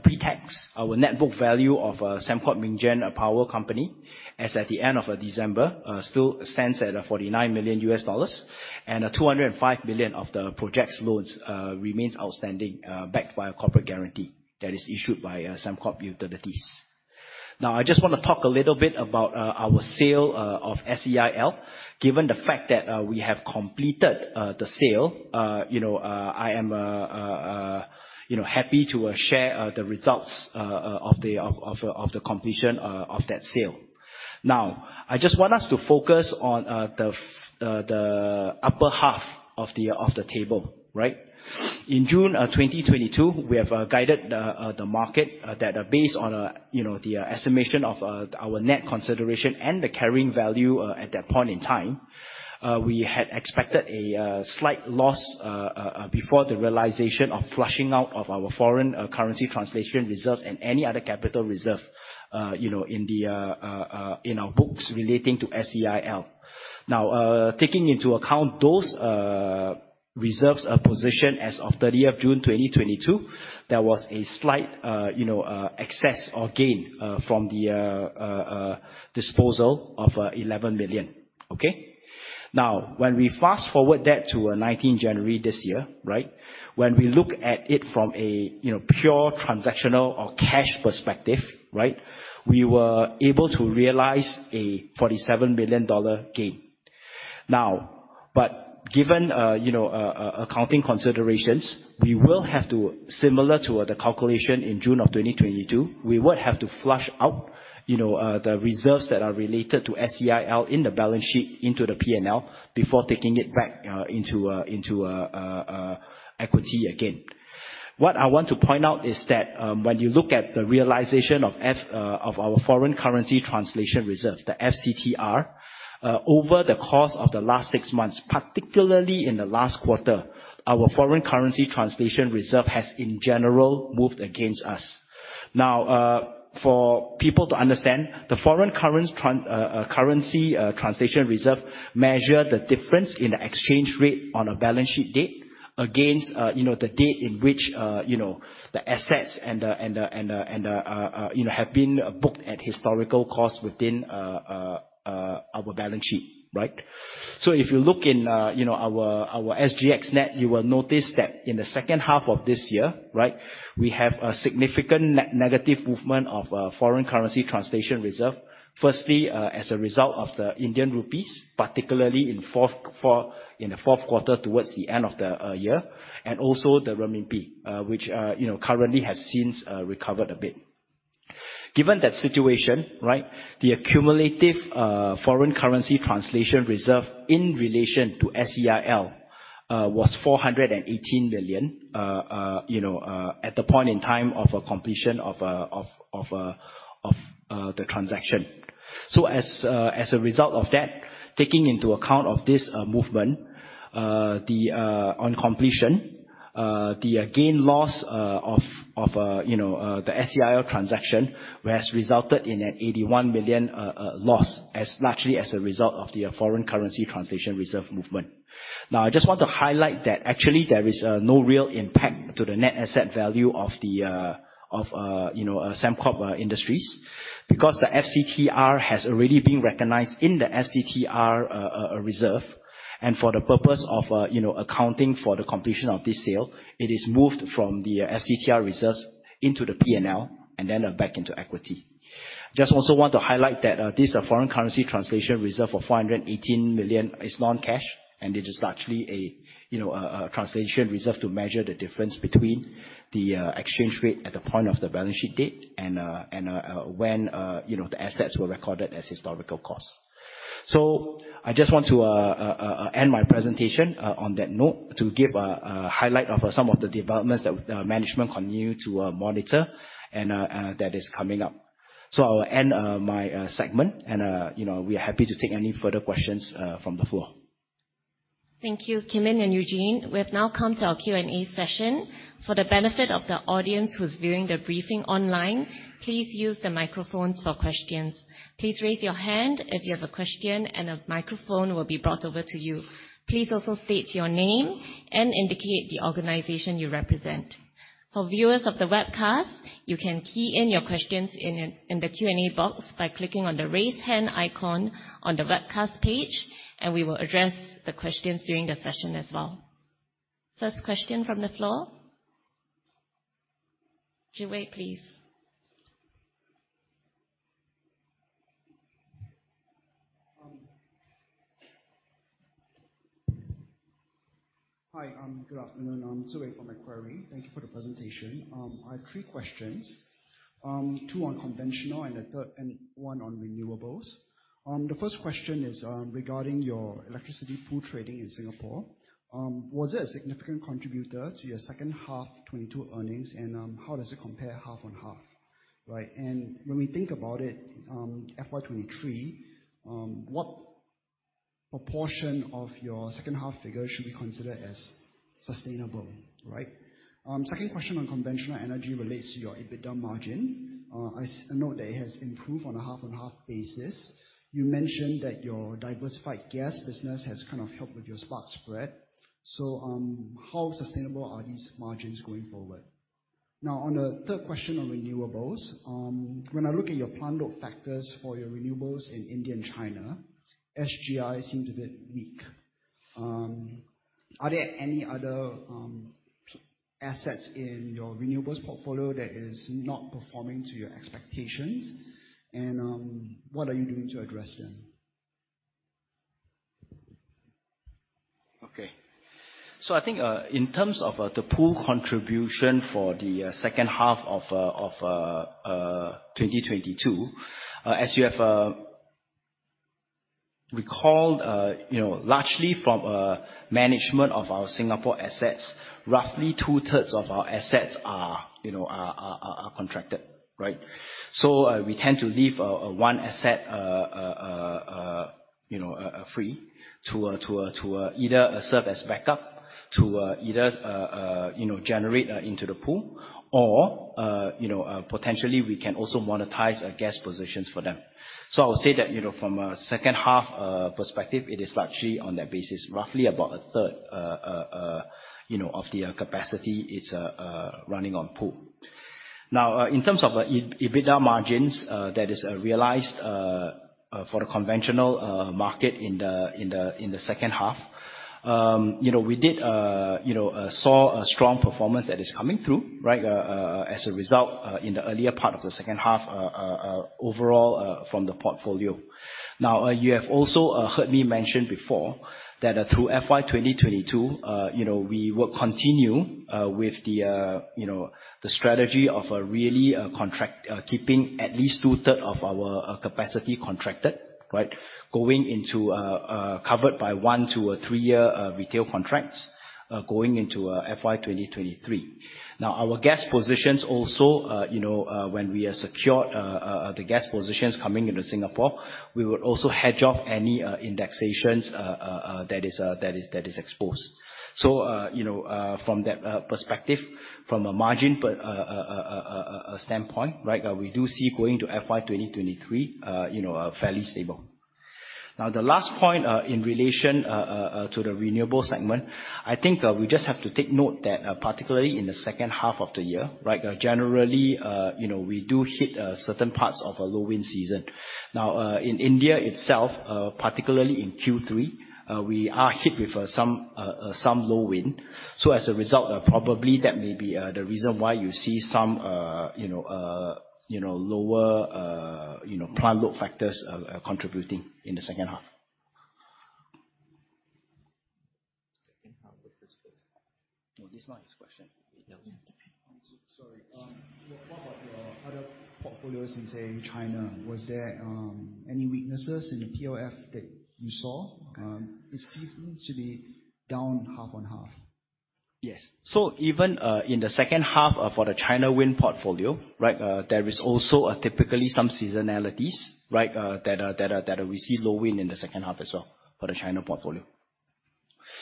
pre-tax, our net book value of Sembcorp Minggen Power Company, as at the end of December, still stands at $49 million, and $205 million of the project's loans remains outstanding, backed by a corporate guarantee that is issued by Sembcorp Utilities. I just wanna talk a little bit about our sale of SEIL. Given the fact that we have completed the sale, you know, I am, you know, happy to share the results of the completion of that sale. I just want us to focus on the upper half of the table, right? In June of 2022, we have guided the market that based on, you know, the estimation of our net consideration and the carrying value at that point in time, we had expected a slight loss before the realization of flushing out of our Foreign Currency Translation Reserve and any other capital reserve, you know, in our books relating to SEIL. Taking into account those reserves position as of 30 of June 2022, there was a slight, you know, excess or gain from the disposal of 11 million. Okay. When we fast-forward that to 19 January this year, right? When we look at it from a, you know, pure transactional or cash perspective, right? We were able to realize a 47 million dollar gain. Given accounting considerations, similar to the calculation in June of 2022, we would have to flush out the reserves that are related to SEIL in the balance sheet into the P&L before taking it back into equity again. What I want to point out is that, when you look at the realization of our Foreign Currency Translation Reserve, the FCTR, over the course of the last 6 months, particularly in the last quarter, our Foreign Currency Translation Reserve has in general moved against us. Now, for people to understand, the Foreign Currency Translation Reserve measure the difference in the exchange rate on a balance sheet date against, you know, the date in which, you know, the assets and the, and the, and the, and the, you know, have been booked at historical costs within our balance sheet, right? If you look in, you know, our SGXNet, you will notice that in the second half of this year, right, we have a significant negative movement of Foreign Currency Translation Reserve. Firstly, as a result of the Indian rupees, particularly in the fourth quarter towards the end of the year. Also the renminbi, which, you know, currently has since recovered a bit. Given that situation, right, the accumulative foreign currency translation reserve in relation to SEIL was 418 million, you know, at the point in time of a completion of the transaction. As a result of that, taking into account of this movement, on completion, the gain loss of, you know, the SEIL transaction has resulted in an 81 million loss largely as a result of the foreign currency translation reserve movement. I just want to highlight that actually there is no real impact to the net asset value of the, you know, Sembcorp Industries. The FCTR has already been recognized in the FCTR reserve. For the purpose of, you know, accounting for the completion of this sale, it is moved from the FCTR reserves into the P&L and then back into equity. Just also want to highlight that this foreign currency translation reserve of $418 million is non-cash, and it is largely a, you know, a translation reserve to measure the difference between the exchange rate at the point of the balance sheet date and when, you know, the assets were recorded as historical costs. I just want to end my presentation on that note to give a highlight of some of the developments that the management continue to monitor and that is coming up. I will end my segment and, you know, we are happy to take any further questions from the floor. Thank you, Kim Yin and Eugene. We have now come to our Q&A session. For the benefit of the audience who's viewing the briefing online, please use the microphones for questions. Please raise your hand if you have a question, and a microphone will be brought over to you. Please also state your name and indicate the organization you represent. For viewers of the webcast, you can key in your questions in the Q&A box by clicking on the Raise Hand icon on the webcast page, and we will address the questions during the session as well. First question from the floor. Zhiwei, please. Hi. I'm good afternoon. I'm Zhiwei from Macquarie. Thank you for the presentation. I have three questions, two on conventional and a third, and one on renewables. The first question is regarding your electricity pool trading in Singapore. Was it a significant contributor to your second half 2022 earnings? How does it compare half on half, right? When we think about it, FY2023, what proportion of your second half figures should be considered as sustainable, right? Second question on Conventional Energy relates to your EBITDA margin. I note that it has improved on a half-on-half basis. You mentioned that your diversified gas business has kind of helped with your spot spread. How sustainable are these margins going forward? Now, on the third question on renewables, when I look at your plant load factors for your renewables in India and China, SGI seems a bit weak. Are there any other assets in your renewables portfolio that is not performing to your expectations? What are you doing to address them? Okay. I think, in terms of the pool contribution for the second half of 2022. As you have recalled, you know, largely from management of our Singapore assets, roughly 2/3 of our assets are, you know, contracted, right? We tend to leave 1 asset, you know, free to either serve as backup to either, you know, generate into the pool or, you know, potentially we can also monetize a gas positions for them. I'll say that, you know, from a second half perspective, it is largely on that basis, roughly about a third, you know, of the capacity it's running on pool. Now, in terms of EBITDA margins that is realized for the conventional market in the second half. You know, we did, you know, saw a strong performance that is coming through, right, as a result in the earlier part of the second half overall from the portfolio. You have also heard me mention before that through FY2022, you know, we will continue with the, you know, the strategy of really keeping at least two-third of our capacity contracted, right. Going into covered by 1-3 year retail contracts, going into FY2023. Our gas positions also, you know, when we are secured the gas positions coming into Singapore, we would also hedge off any indexations that is exposed. From that perspective, from a margin standpoint, right, we do see going to FY2023, you know, fairly stable. The last point in relation to the Renewable segment. I think we just have to take note that particularly in the second half of the year, right? Generally, you know, we do hit certain parts of a low wind season. In India itself, particularly in Q3, we are hit with some low wind. As a result, probably that may be the reason why you see some, you know, you know, lower, you know, plant load factors, contributing in the second half. Second half versus first half. No, this is not his question. Yeah. Sorry. What about your other portfolios in, say, China, was there any weaknesses in the POF that you saw? Okay. It seems to be down half on half. Yes. Even in the second half, for the China wind portfolio. There is also typically some seasonalities. That we see low wind in the second half as well for the China portfolio.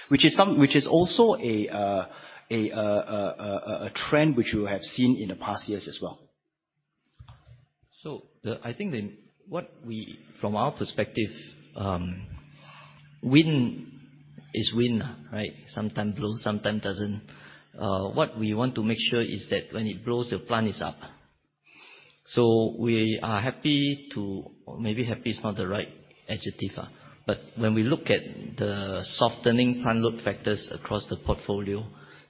Which is also a trend which you have seen in the past years as well. From our perspective, wind is wind, right? Sometimes blow, sometimes doesn't. What we want to make sure is that when it blows, the plant is up. Maybe happy is not the right adjective. When we look at the softening plant load factors across the portfolio,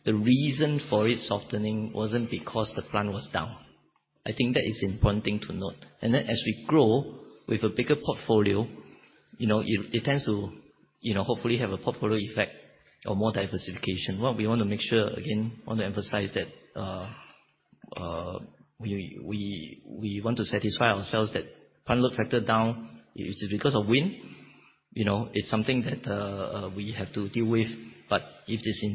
the reason for it softening wasn't because the plant was down. I think that is important thing to note. As we grow with a bigger portfolio, you know, it tends to, you know, hopefully have a portfolio effect or more diversification. What we want to make sure, again, want to emphasize that we, we want to satisfy ourselves that plant load factor down is because of wind. You know, it's something that we have to deal with. If it's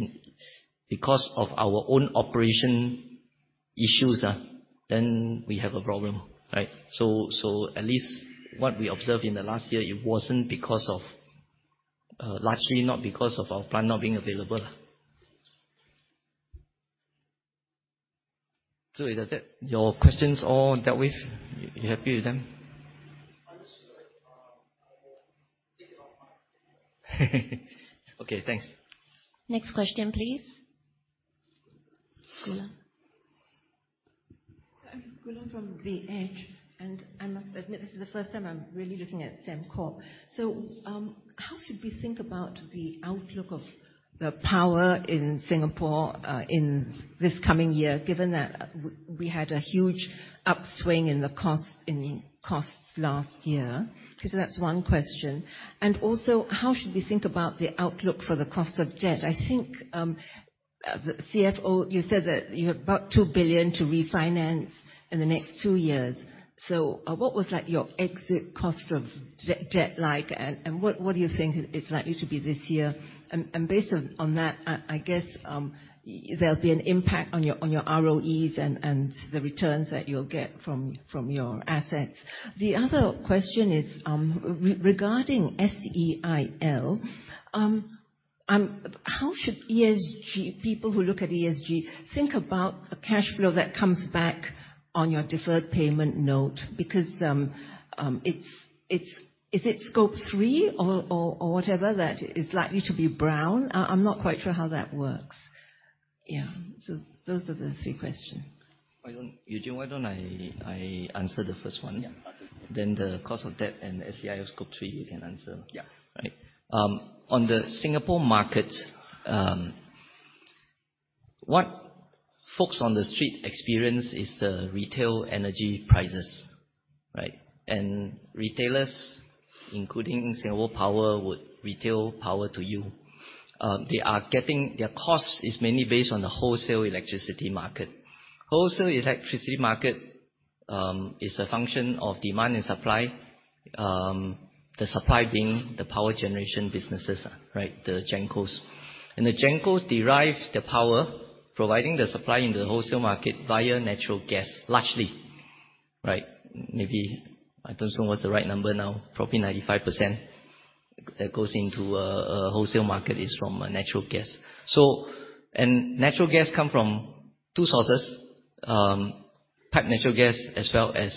because of our own operation issues, then we have a problem, right? At least what we observed in the last year, it wasn't because of largely not because of our plant not being available. Is that your questions all dealt with? You happy with them? I'm just going to take it offline. Okay. Thanks. Next question, please. Gulen. Gulen from The Edge. I must admit, this is the first time I'm really looking at Sembcorp. How should we think about the outlook of the power in Singapore, in this coming year, given that we had a huge upswing in the costs last year? That's 1 question. Also, how should we think about the outlook for the cost of debt? I think, the CFO, you said that you have about 2 billion to refinance in the next 2 years. What was, like, your exit cost of debt like? What do you think it's likely to be this year? Based on that, I guess, there'll be an impact on your ROEs and the returns that you'll get from your assets. The other question is, regarding SEIL. How should ESG, people who look at ESG think about a cash flow that comes back on your Deferred Payment Note? Because it's is it Scope 3 or whatever that is likely to be brown? I'm not quite sure how that works. Yeah. Those are the three questions. Why don't I answer the first one? Yeah. The cost of debt and SEIL Scope 3, you can answer. Yeah. Right. On the Singapore market, what folks on the street experience is the retail energy prices, right? Retailers, including Singapore Power, would retail power to you. Their cost is mainly based on the wholesale electricity market. Wholesale electricity market is a function of demand and supply. The supply being the power generation businesses, right? The GENCOs. The GENCOs derive their power, providing the supply into the wholesale market via natural gas, largely, right? Maybe, I don't know what's the right number now, probably 95% that goes into a wholesale market is from natural gas. Natural gas come from two sources, pipe natural gas as well as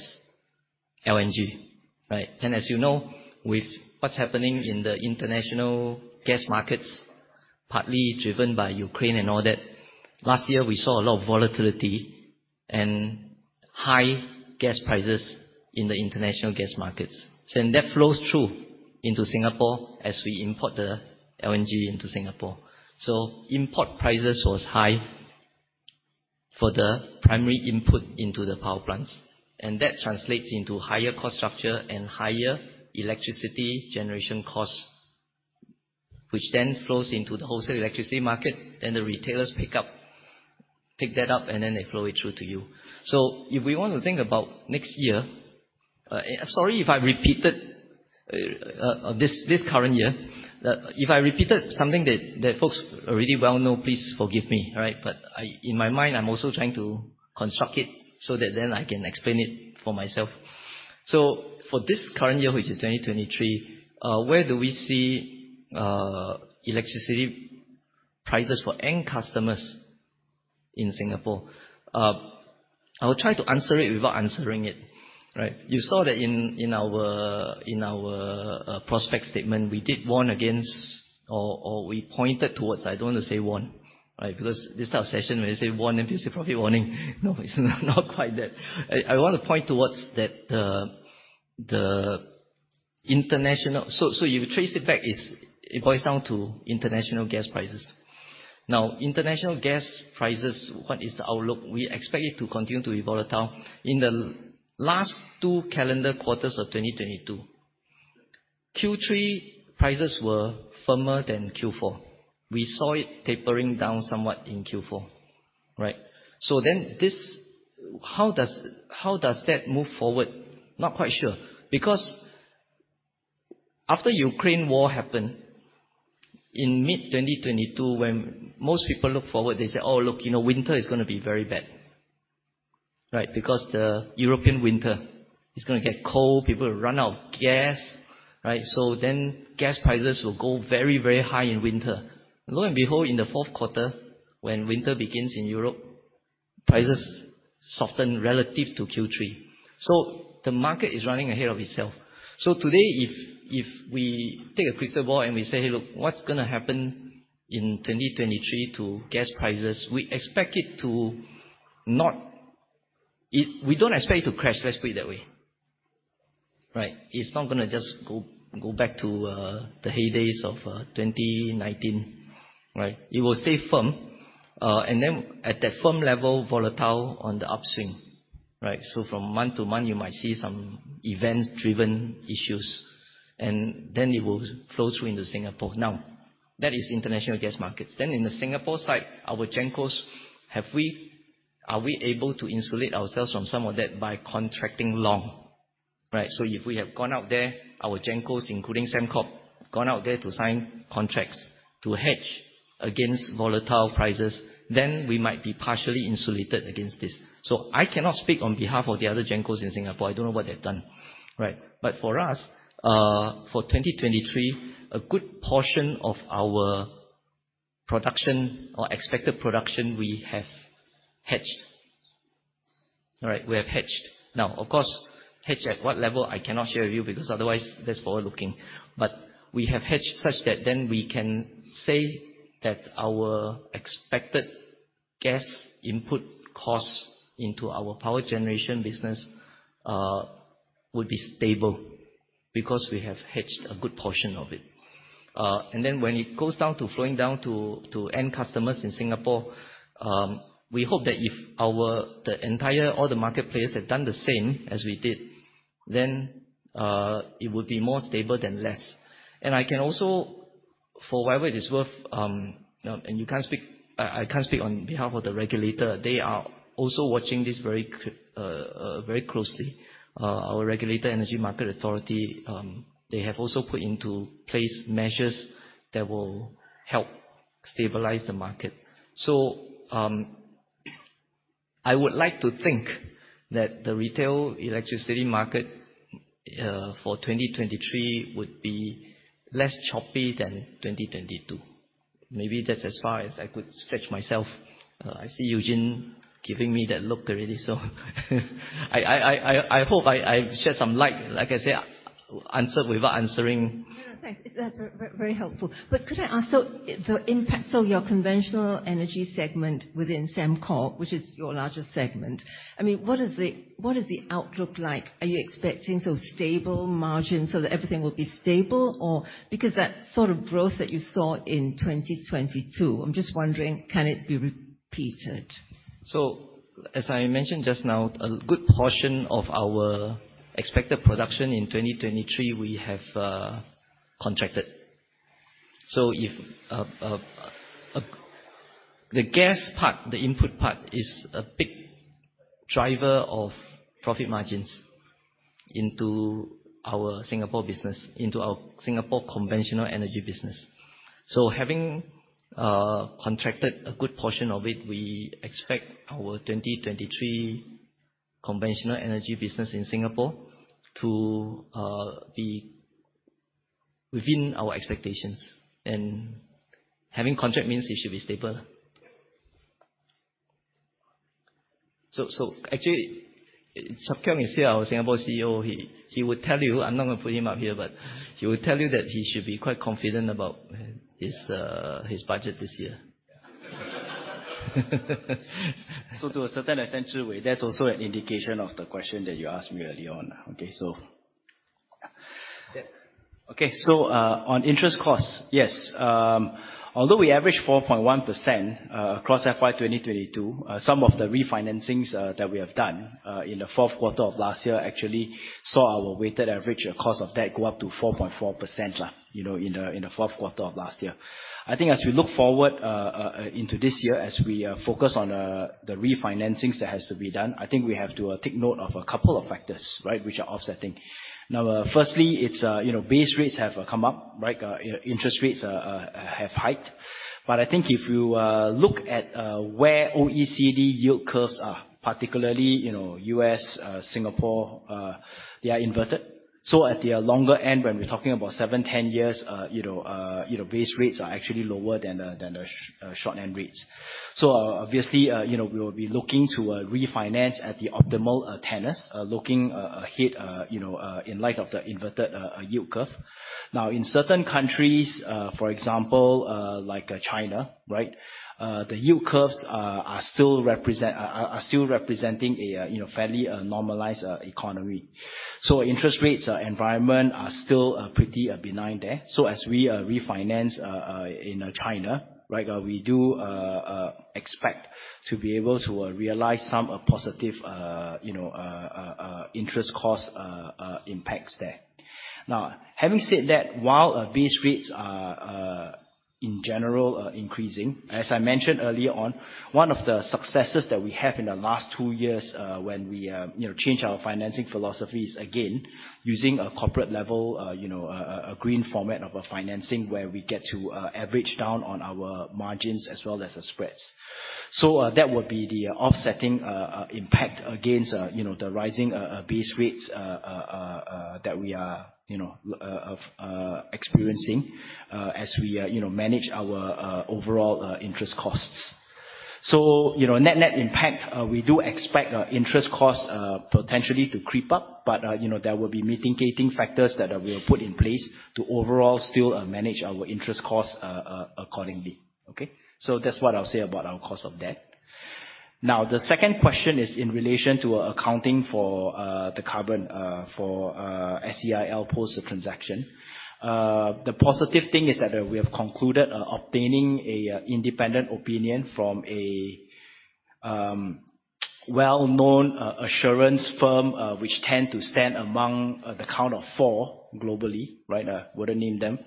LNG, right? As you know, with what's happening in the international gas markets, partly driven by Ukraine and all that. Last year we saw a lot of volatility and high gas prices in the international gas markets. That flows through into Singapore as we import the LNG into Singapore. Import prices was high for the primary input into the power plants. That translates into higher cost structure and higher electricity generation costs, which then flows into the wholesale electricity market. The retailers pick that up. Then they flow it through to you. If we want to think about next year, sorry if I repeated this current year. If I repeated something that folks already well know, please forgive me, right? I, in my mind, I'm also trying to construct it so that then I can explain it for myself. For this current year, which is 2023, where do we see electricity prices for end customers in Singapore? I will try to answer it without answering it, right? You saw that in our prospect statement, we did warn against or we pointed towards. I don't want to say warn, right? Because this type of session where you say warn, then people say, "Profit warning." No, it's not quite that. I want to point towards that you trace it back, it boils down to international gas prices. International gas prices, what is the outlook? We expect it to continue to be volatile. In the last two calendar quarters of 2022, Q3 prices were firmer than Q4. We saw it tapering down somewhat in Q4, right? How does that move forward? Not quite sure. After Ukraine War happened in mid-2022, when most people look forward, they say, "Oh look, you know, winter is gonna be very bad," right? The European winter is gonna get cold. People will run out of gas, right? Gas prices will go very, very high in winter. Lo and behold, in the fourth quarter, when winter begins in Europe, prices soften relative to Q3. The market is running ahead of itself. Today, if we take a crystal ball and we say, "Hey, look, what's gonna happen in 2023 to gas prices?" We expect it to not... We don't expect it to crash. Let's put it that way, right? It's not gonna just go back to the heydays of 2019, right? It will stay firm. At that firm level, volatile on the upswing, right? From month to month you might see some events-driven issues, and then it will flow through into Singapore. That is international gas markets. In the Singapore side, our GENCOs, are we able to insulate ourselves from some of that by contracting long, right? If we have gone out there, our GENCOs, including Sembcorp, have gone out there to sign contracts to hedge against volatile prices, then we might be partially insulated against this. I cannot speak on behalf of the other GENCOs in Singapore. I don't know what they've done, right? For us, for 2023, a good portion of our production or expected production we have hedged. All right? We have hedged. Of course, hedged at what level I cannot share with you because otherwise that's forward-looking. We have hedged such that then we can say that our expected gas input costs into our power generation business will be stable because we have hedged a good portion of it. When it goes down to flowing down to end customers in Singapore, we hope that if our the entire other market players have done the same as we did, then it would be more stable than less. I can also, for whatever it is worth, and you can't speak. I can't speak on behalf of the regulator. They are also watching this very closely. Our regulator Energy Market Authority, they have also put into place measures that will help stabilize the market. I would like to think that the retail electricity market for 2023 would be less choppy than 2022. Maybe that's as far as I could stretch myself. I see Eugene giving me that look already. I hope I've shed some light. Like I said, answered without answering. No, no. Thanks. That's very helpful. could I ask the impact... your Conventional Energy segment within Sembcorp, which is your largest segment, I mean, what is the outlook like? Are you expecting stable margins so that everything will be stable? because that sort of growth that you saw in 2022, I'm just wondering, can it be repeated? As I mentioned just now, a good portion of our expected production in 2023 we have contracted. If the gas part, the input part is a big driver of profit margins into our Singapore business, into our Singapore Conventional Energy business. Having contracted a good portion of it, we expect our 2023 Conventional Energy business in Singapore to be within our expectations. Having contract means it should be stable. Actually, Koh Chiap Khiong is here, our Singapore CEO. He would tell you, I'm not gonna put him up here, but he will tell you that he should be quite confident about his budget this year. To a certain extent, Zhiwei Foo, that's also an indication of the question that you asked me early on. Okay. Yeah. Okay. On interest costs, yes. Although we average 4.1% across FY2022, some of the refinancings that we have done in the fourth quarter of last year actually saw our weighted average cost of debt go up to 4.4%, you know, in the fourth quarter of last year. I think as we look forward into this year, as we focus on the refinancings that has to be done, I think we have to take note of a couple of factors, right? Which are offsetting. Now, firstly, it's, you know, base rates have come up, right? Interest rates are have hiked. I think if you look at where OECD yield curves are, particularly, you know, U.S., Singapore, they are inverted. At the longer end, when we're talking about 7, 10 years, you know, you know, base rates are actually lower than the short end rates. Obviously, you know, we will be looking to refinance at the optimal tenors, looking ahead, you know, in light of the inverted yield curve. In certain countries, for example, like China, right, the yield curves are still representing a, you know, fairly normalized economy. Interest rates environment are still pretty benign there. As we refinance in China, right, we do expect to be able to realize some positive, you know, interest cost impacts there. Having said that, while our base rates are in general increasing, as I mentioned earlier on, one of the successes that we have in the last 2 years, when we, you know, change our financing philosophies again, using a corporate level, you know, a green format of a financing where we get to average down on our margins as well as the spreads. That would be the offsetting impact against, you know, the rising base rates that we are, you know, experiencing as we, you know, manage our overall interest costs. You know, net-net impact, we do expect our interest costs potentially to creep up, but, you know, there will be mitigating factors that we will put in place to overall still manage our interest costs accordingly. Okay. That's what I'll say about our cost of debt. The second question is in relation to accounting for the carbon for SEIL post transaction. The positive thing is that we have concluded obtaining an independent opinion from a well-known assurance firm, which tend to stand among the count of four globally, right? I wouldn't name them.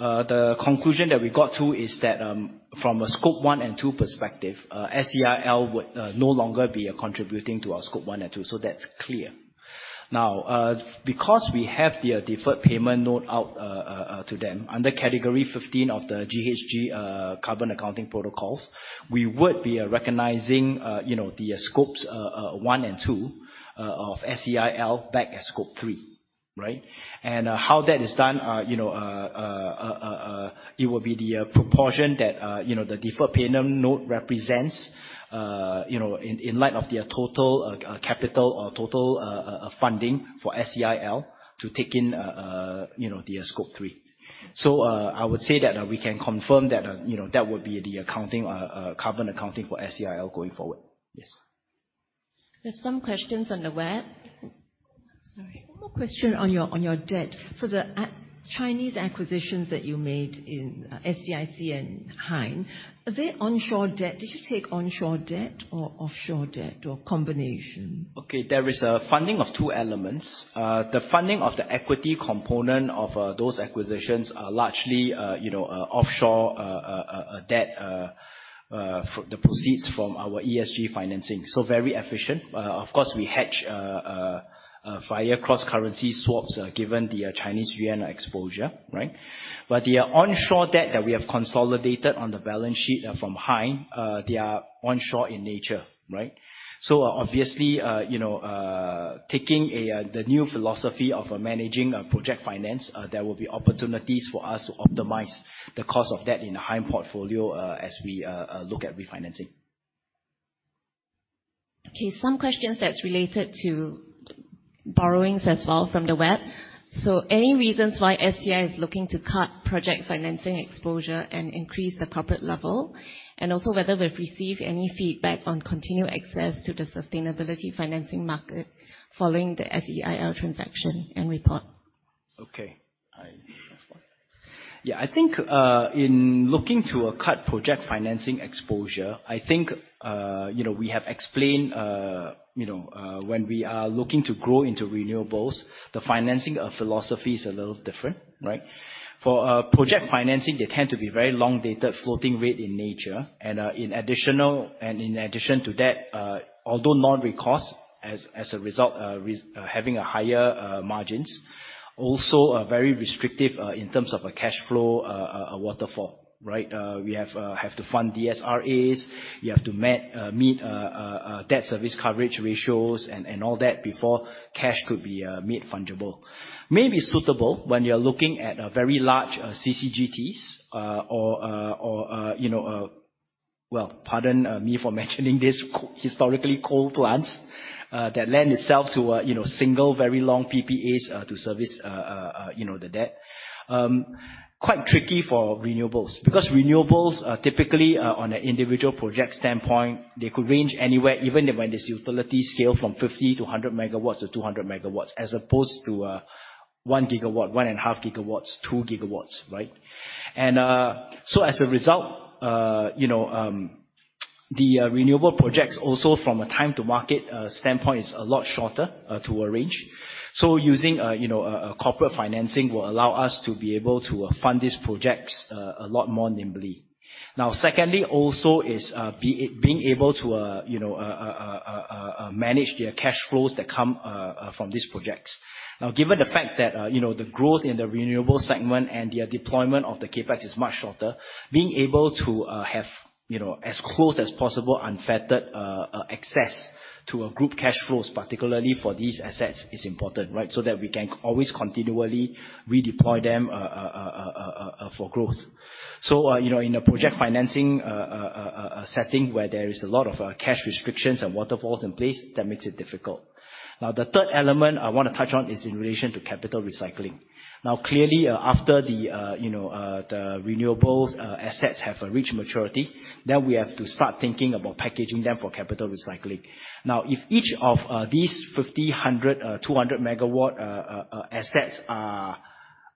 The conclusion that we got to is that from a Scope 1 and 2 perspective, SEIL would no longer be contributing to our Scope 1 and 2. That's clear. Now, because we have the Deferred Payment Note out to them, under Category 15 of the GHG carbon accounting protocols, we would be recognizing, you know, the Scope 1 and Scope 2 of SEIL back at Scope 3. Right? How that is done, you know, it will be the proportion that, you know, the Deferred Payment Note represents, you know, in light of their total capital or total funding for SEIL to take in, you know, the Scope 3. I would say that we can confirm that, you know, that would be the accounting carbon accounting for SEIL going forward. Yes. There's some questions on the web. Sorry, one more question on your debt. For the Chinese acquisitions that you made in SDIC and Huaneng, are they onshore debt? Did you take onshore debt or offshore debt or combination? Okay, there is a funding of two elements. The funding of the equity component of those acquisitions are largely, you know, offshore debt, the proceeds from our ESG financing. Very efficient. Of course, we hedge via cross-currency swaps, given the Chinese yuan exposure, right? The onshore debt that we have consolidated on the balance sheet from Huaneng, they are onshore in nature, right? Obviously, you know, taking the new philosophy of managing project finance, there will be opportunities for us to optimize the cost of debt in the Huaneng portfolio, as we look at refinancing. Some questions that's related to borrowings as well from the web. Any reasons why SEI is looking to cut project financing exposure and increase the corporate level? Also whether we've received any feedback on continued access to the sustainability financing market following the SEIL transaction and report. Okay. Yeah, I think, in looking to cut project financing exposure, I think, you know, we have explained, you know, when we are looking to grow into renewables, the financing philosophy is a little different, right? Project financing, they tend to be very long-dated floating rate in nature. In addition to that, although non-recourse as a result, having higher margins, also are very restrictive in terms of a cash flow waterfall, right? We have to fund DSRAs. You have to meet debt service coverage ratios and all that before cash could be made fundable. May be suitable when you're looking at a very large CCGTs, or, you know, well, pardon me for mentioning this historically coal plants, that lend itself to a, you know, single very long PPAs, to service, you know, the debt. Quite tricky for renewables because renewables are typically on an individual project standpoint, they could range anywhere even when there's utility scale from 50-100 megawatts or 200 megawatts as opposed to 1 gigawatt, 1.5 gigawatts, 2 gigawatts, right? So as a result, you know, the renewable projects also from a time to market standpoint is a lot shorter to arrange. Using, you know, a corporate financing will allow us to be able to fund these projects a lot more nimbly. Secondly, also is being able to, you know, manage their cash flows that come from these projects. Given the fact that, you know, the growth in the Renewable segment and their deployment of the CapEx is much shorter, being able to have, you know, as close as possible unfettered access to a group cash flows, particularly for these assets is important, right? That we can always continually redeploy them for growth. In a project financing setting where there is a lot of cash restrictions and waterfalls in place, that makes it difficult. Now, the third element I wanna touch on is in relation to capital recycling. Now, clearly, after the, you know, the renewables assets have reached maturity, then we have to start thinking about packaging them for capital recycling. Now, if each of these 50, 100, 200 megawatt assets are.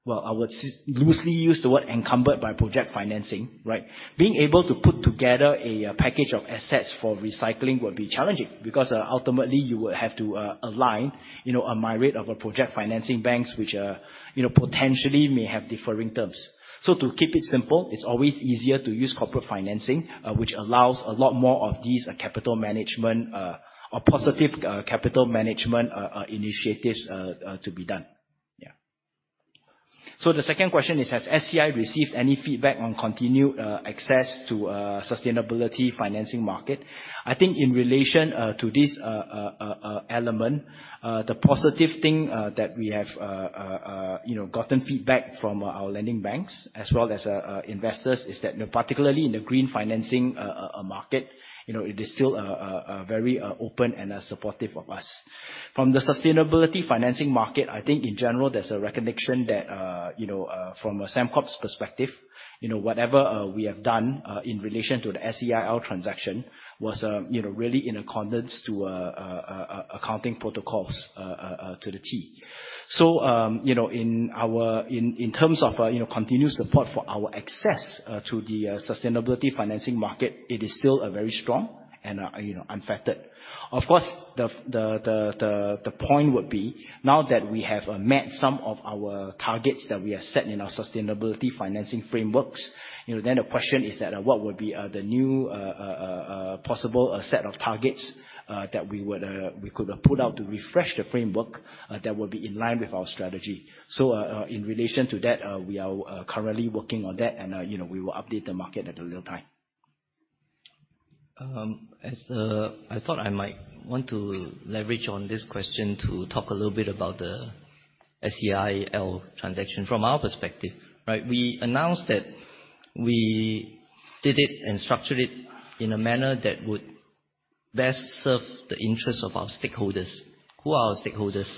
Well, I would loosely use the word encumbered by project financing, right? Being able to put together a package of assets for recycling would be challenging because ultimately you would have to align, you know, a myriad of project financing banks, which, you know, potentially may have differing terms. So to keep it simple, it's always easier to use corporate financing, which allows a lot more of these capital management, or positive capital management initiatives to be done. Yeah. The second question is, has SEIL received any feedback on continued access to sustainability financing market? I think in relation to this element, the positive thing that we have, you know, gotten feedback from our lending banks as well as investors is that, you know, particularly in the green financing market, you know, it is still very open and supportive of us. From the sustainability financing market, I think in general, there's a recognition that, you know, from a Sembcorp's perspective, you know, whatever we have done in relation to the SEIL transaction was, you know, really in accordance to accounting protocols to the T. You know, in our... In terms of, you know, continuous support for our access to the sustainability financing market, it is still a very strong and, you know, unfettered. Of course, the point would be now that we have met some of our targets that we have set in our sustainability financing frameworks, you know, then the question is that what would be the new possible set of targets that we would, we could put out to refresh the framework that would be in line with our strategy. In relation to that, we are currently working on that and, you know, we will update the market at a real time. I thought I might want to leverage on this question to talk a little bit about the SEIL transaction from our perspective, right? We announced that we did it and structured it in a manner that would best serve the interests of our stakeholders. Who are our stakeholders?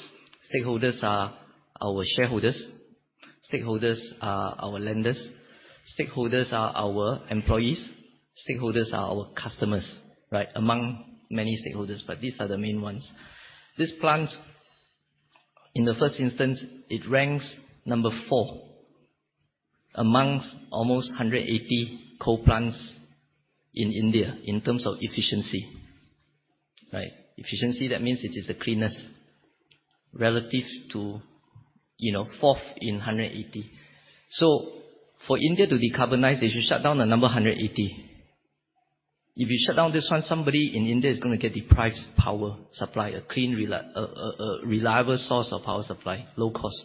Stakeholders are our shareholders. Stakeholders are our lenders. Stakeholders are our employees. Stakeholders are our customers, right? Among many stakeholders, but these are the main ones. This plant, in the first instance, it ranks number 4 amongst almost 180 coal plants in India in terms of efficiency, right? Efficiency, that means it is the cleanest relative to, you know, fourth in 180. For India to decarbonize, they should shut down the number 180. If you shut down this one, somebody in India is gonna get deprived power supply, a reliable source of power supply, low cost.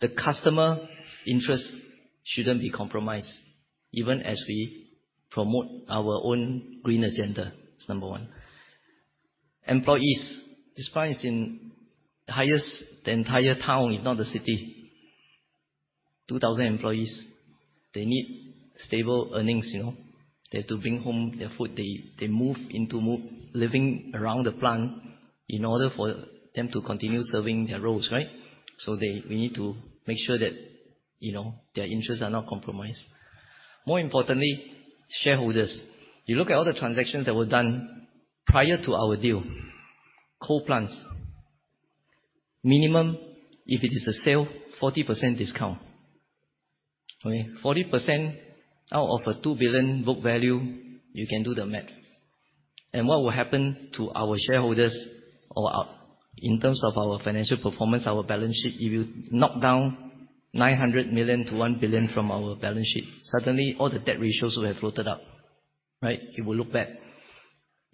The customer interest shouldn't be compromised, even as we promote our own green agenda. That's number one. Employees. This plant is in the highest, the entire town, if not the city. 2,000 employees. They need stable earnings, you know. They have to bring home their food. They move into living around the plant in order for them to continue serving their roles, right? They, we need to make sure that, you know, their interests are not compromised. More importantly, shareholders. You look at all the transactions that were done prior to our deal. Coal plants. Minimum, if it is a sale, 40% discount. Okay. 40% out of a 2 billion book value, you can do the math. What will happen to our shareholders or our, in terms of our financial performance, our balance sheet? If you knock down 900 million-1 billion from our balance sheet, suddenly all the debt ratios will have floated up, right? It will look bad.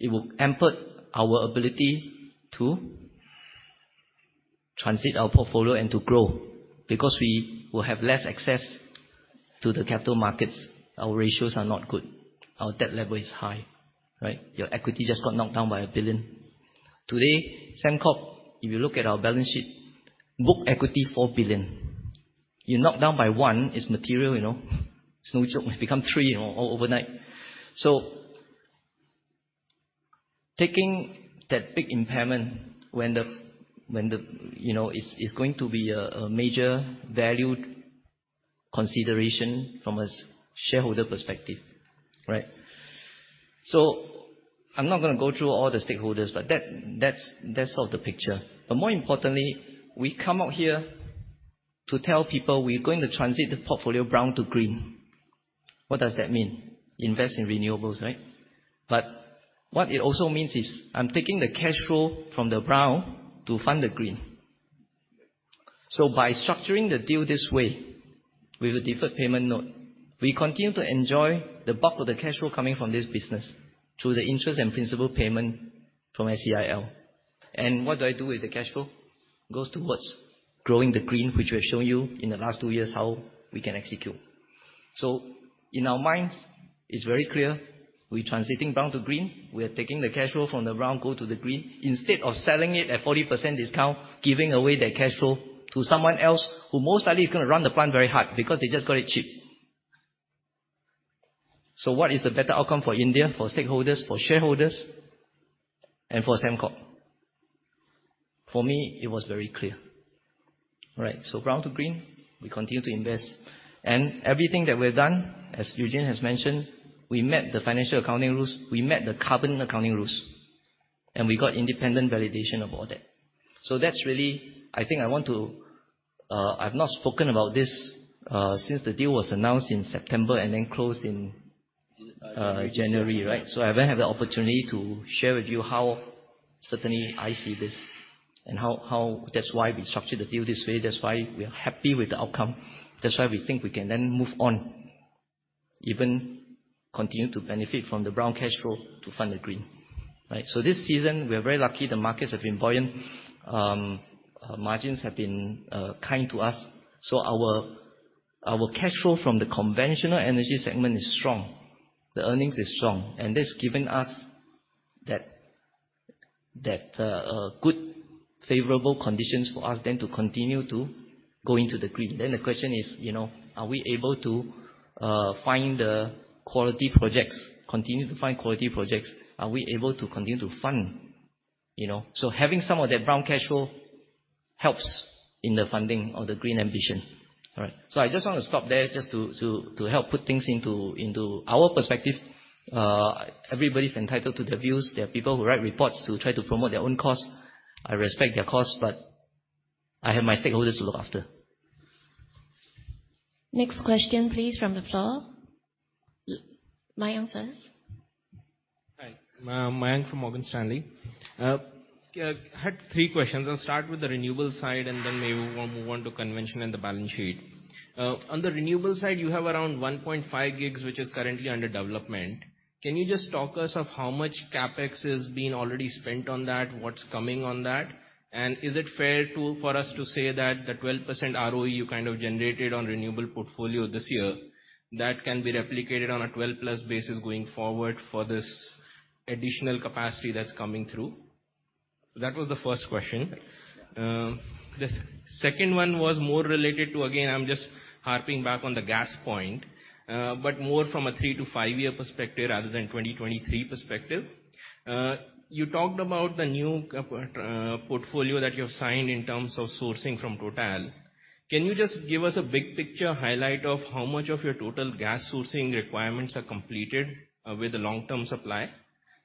It will hamper our ability to transit our portfolio and to grow because we will have less access to the capital markets. Our ratios are not good. Our debt level is high, right? Your equity just got knocked down by 1 billion. Today, Sembcorp, if you look at our balance sheet, book equity, 4 billion. You knock down by 1 billion, it's material, you know? It's no joke, it becomes 3 billion, you know, overnight. Taking that big impairment when the, you know, is going to be a major value consideration from a shareholder perspective, right? I'm not gonna go through all the stakeholders, but that's sort of the picture. More importantly, we come out here to tell people we're going to transit the portfolio brown-to-green. What does that mean? Invest in renewables, right? What it also means is I'm taking the cash flow from the brown to fund the green. By structuring the deal this way with a Deferred Payment Note, we continue to enjoy the bulk of the cash flow coming from this business through the interest and principal payment from SEIL. What do I do with the cash flow? Goes towards growing the green, which we have shown you in the last two years how we can execute. In our minds, it's very clear we're transitioning brown-to-green. We are taking the cash flow from the brown, go to the green, instead of selling it at 40% discount, giving away that cash flow to someone else who most likely is gonna run the plant very hard because they just got it cheap. What is the better outcome for India, for stakeholders, for shareholders, and for Sembcorp? For me, it was very clear. Right. brown-to-green, we continue to invest. Everything that we've done, as Eugene has mentioned, we met the financial accounting rules, we met the carbon accounting rules, and we got independent validation of all that. That's really. I think I want to, I've not spoken about this, since the deal was announced in September and then closed in. January. January, right? I haven't had the opportunity to share with you how certainly I see this and how. That's why we structured the deal this way. That's why we're happy with the outcome. That's why we think we can then move on, even continue to benefit from the brown cash flow to fund the green, right? This season, we are very lucky the markets have been buoyant. Margins have been kind to us. Our cash flow from the Conventional Energy segment is strong. The earnings is strong. That's given us that good favorable conditions for us then to continue to go into the green. The question is, you know, are we able to find the quality projects, continue to find quality projects? Are we able to continue to fund, you know? Having some of that brown cash flow helps in the funding of the green ambition. All right. I just wanna stop there just to help put things into our perspective. Everybody's entitled to their views. There are people who write reports to try to promote their own cause. I respect their cause, but I have my stakeholders to look after. Next question please from the floor. Mayank first. Hi. Mayank from Morgan Stanley. Had three questions. I'll start with the renewable side, then maybe we'll move on to convention and the balance sheet. On the renewable side, you have around 1.5 gigs, which is currently under development. Can you just talk us of how much CapEx has been already spent on that? What's coming on that? Is it fair to, for us to say that the 12% ROE you kind of generated on renewable portfolio this year, that can be replicated on a 12+ basis going forward for this additional capacity that's coming through? That was the first question. The second one was more related to, again, I'm just harping back on the gas point, but more from a 3-5-year perspective rather than 2023 perspective. You talked about the new portfolio that you have signed in terms of sourcing from TotalEnergies. Can you just give us a big picture highlight of how much of your total gas sourcing requirements are completed with the long-term supply?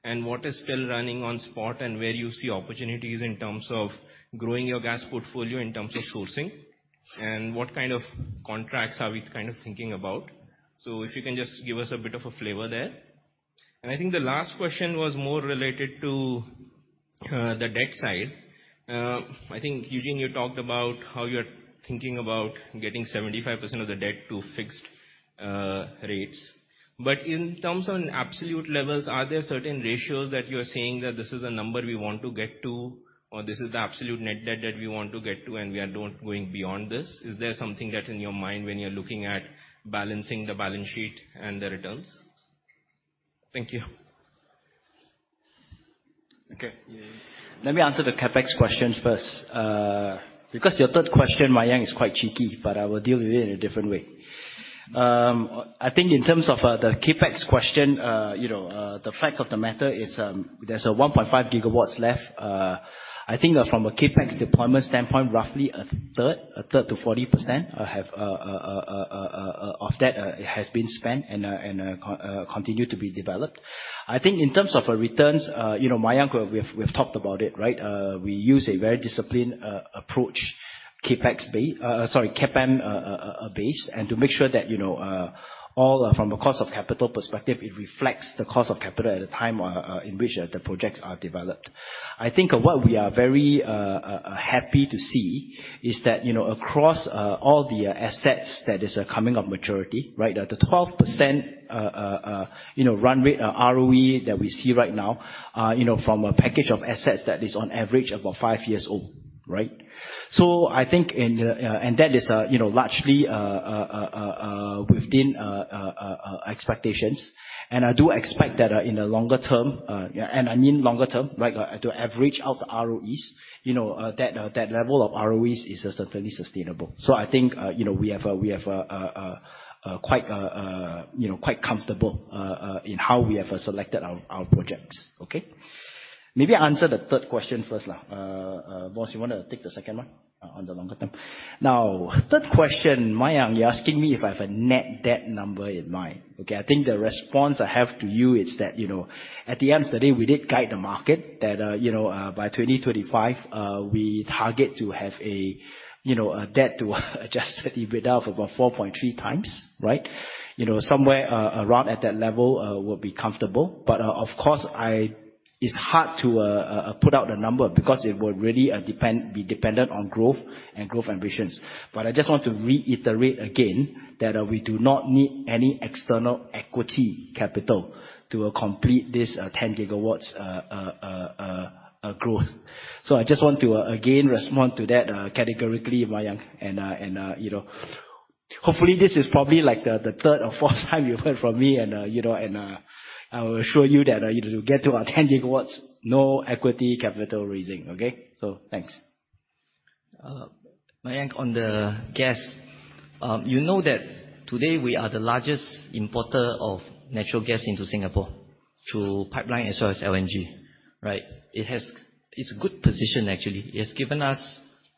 What is still running on spot, and where you see opportunities in terms of growing your gas portfolio in terms of sourcing? What kind of contracts are we kind of thinking about? If you can just give us a bit of a flavor there. I think the last question was more related to the debt side. I think, Eugene, you talked about how you're thinking about getting 75% of the debt to fixed rates. In terms on absolute levels, are there certain ratios that you're saying that this is a number we want to get to, or this is the absolute net debt that we want to get to, and we are going beyond this? Is there something that's in your mind when you're looking at balancing the balance sheet and the returns? Thank you. Okay. Let me answer the CapEx questions first. Your third question, Mayank, is quite cheeky, but I will deal with it in a different way. I think in terms of the CapEx question, you know, the fact of the matter is, there's a 1.5 gigawatts left. I think from a CapEx deployment standpoint, roughly a third to 40% have of that has been spent and continued to be developed. I think in terms of a returns, you know, Mayank, we've talked about it, right? We use a very disciplined approach, CapM base, to make sure that, you know, all from a cost of capital perspective, it reflects the cost of capital at the time in which the projects are developed. I think what we are very happy to see is that, you know, across all the assets that is coming of maturity, right? The 12% run rate ROE that we see right now, you know, from a package of assets that is on average about 5 years old. Right? So I think and that is, you know, largely within expectations. I do expect that in the longer term, and I mean longer term, right, to average out ROEs, you know, that level of ROEs is certainly sustainable. I think, you know, we have a quite comfortable in how we have selected our projects. Okay. Maybe answer the third question first. Moss, you want to take the second one on the longer term? Third question, Mayank, you're asking me if I have a net debt number in mind. Okay. I think the response I have to you is that, you know, at the end of the day, we did guide the market that, you know, by 2025, we target to have a, you know, a debt to Adjusted EBITDA of about 4.3 times. Right? You know, somewhere around at that level, we'll be comfortable. Of course, it's hard to put out a number because it would really depend, be dependent on growth and growth ambitions. I just want to reiterate again that we do not need any external equity capital to complete this 10 gigawatts growth. I just want to again respond to that categorically, Mayank. You know. Hopefully this is probably like the third or fourth time you heard from me, you know, I will assure you that, you know, to get to our 10 gigawatts, no equity capital raising. Okay, thanks. Mayank, on the gas, you know that today we are the largest importer of natural gas into Singapore through pipeline as well as LNG. Right? It's a good position actually. It's given us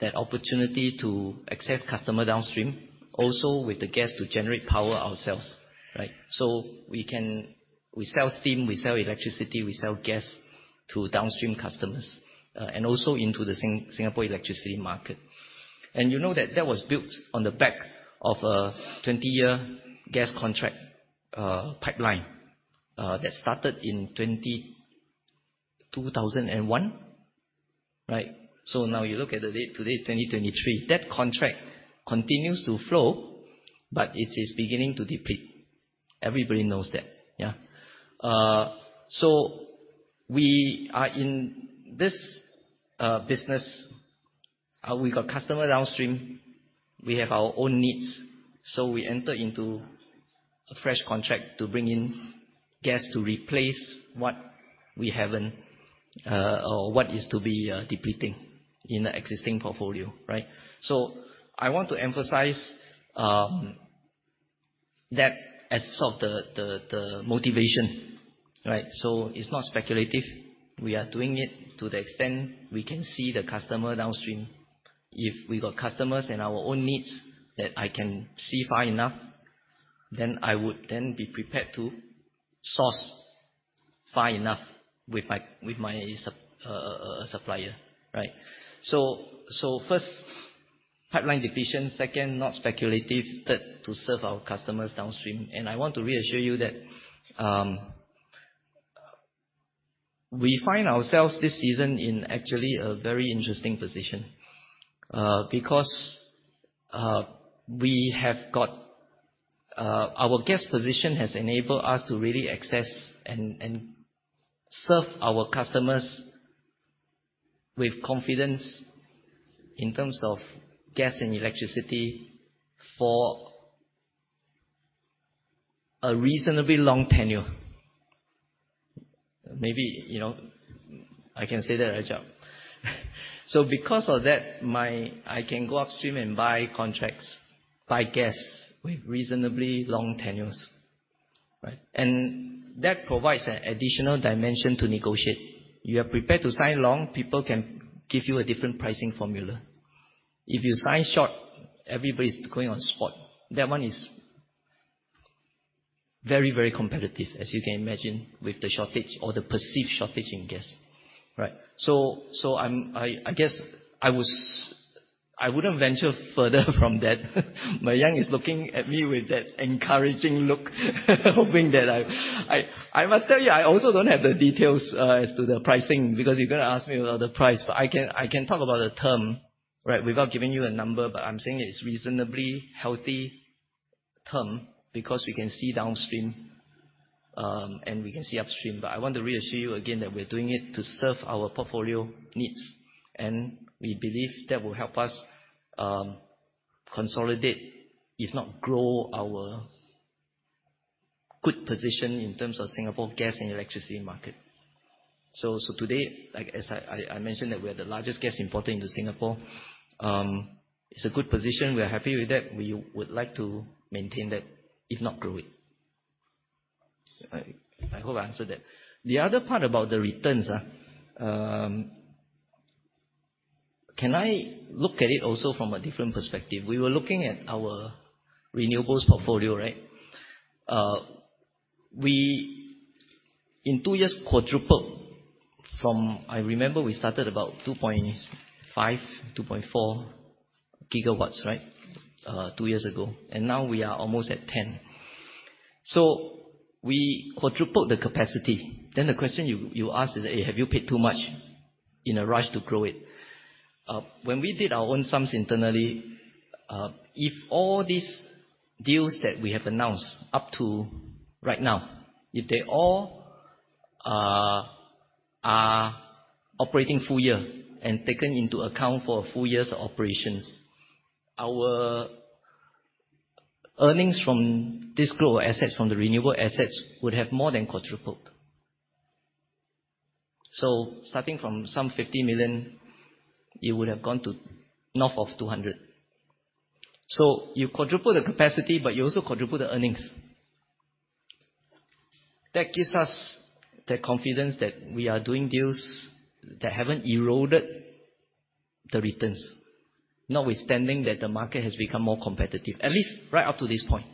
that opportunity to access customer downstream, also with the gas to generate power ourselves, right? We sell steam, we sell electricity, we sell gas to downstream customers, and also into the Singapore electricity market. You know that that was built on the back of a 20-year gas contract, pipeline, that started in 2001. Right? Now you look at the date today, 2023, that contract continues to flow, but it is beginning to deplete. Everybody knows that. Yeah. We are in this business. We got customer downstream. We have our own needs. We enter into a fresh contract to bring in gas to replace what we haven't, or what is to be, depleting in the existing portfolio. Right? I want to emphasize that as sort of the, the motivation, right? It's not speculative. We are doing it to the extent we can see the customer downstream. If we got customers and our own needs that I can see far enough, then I would then be prepared to source far enough with my, with my supplier, right? First pipeline depletion, second not speculative, third to serve our customers downstream. I want to reassure you that we find ourselves this season in actually a very interesting position because we have got our gas position has enabled us to really access and serve our customers with confidence in terms of gas and electricity for a reasonably long tenure. Maybe, you know, I can say that right, John. Because of that, I can go upstream and buy contracts, buy gas with reasonably long tenures. Right? That provides an additional dimension to negotiate. You are prepared to sign long, people can give you a different pricing formula. If you sign short, everybody's going on spot. That one is very, very competitive, as you can imagine, with the shortage or the perceived shortage in gas. Right. I guess I wouldn't venture further from that. Mayank is looking at me with that encouraging look, hoping that I must tell you, I also don't have the details as to the pricing, because you're going to ask me about the price. I can talk about the term, right, without giving you a number, but I'm saying it's reasonably healthy term because we can see downstream, and we can see upstream. I want to reassure you again that we're doing it to serve our portfolio needs. We believe that will help us consolidate, if not grow our good position in terms of Singapore gas and electricity market. Today, like as I mentioned that we are the largest gas importer into Singapore. It's a good position. We are happy with that. We would like to maintain that, if not grow it. I hope I answered that. The other part about the returns, can I look at it also from a different perspective? We were looking at our renewables portfolio, right? We in 2 years quadrupled. I remember we started about 2.5, 2.4 gigawatts, right, 2 years ago, and now we are almost at 10. We quadrupled the capacity. The question you ask is, "Have you paid too much in a rush to grow it?" When we did our own sums internally, if all these deals that we have announced up to right now, if they all are operating Full Year and taken into account for a Full Year's operations. Our earnings from this group of assets, from the renewable assets, would have more than quadrupled. Starting from some 50 million, it would have gone to north of 200 million. You quadruple the capacity, but you also quadruple the earnings. That gives us the confidence that we are doing deals that haven't eroded the returns, notwithstanding that the market has become more competitive, at least right up to this point.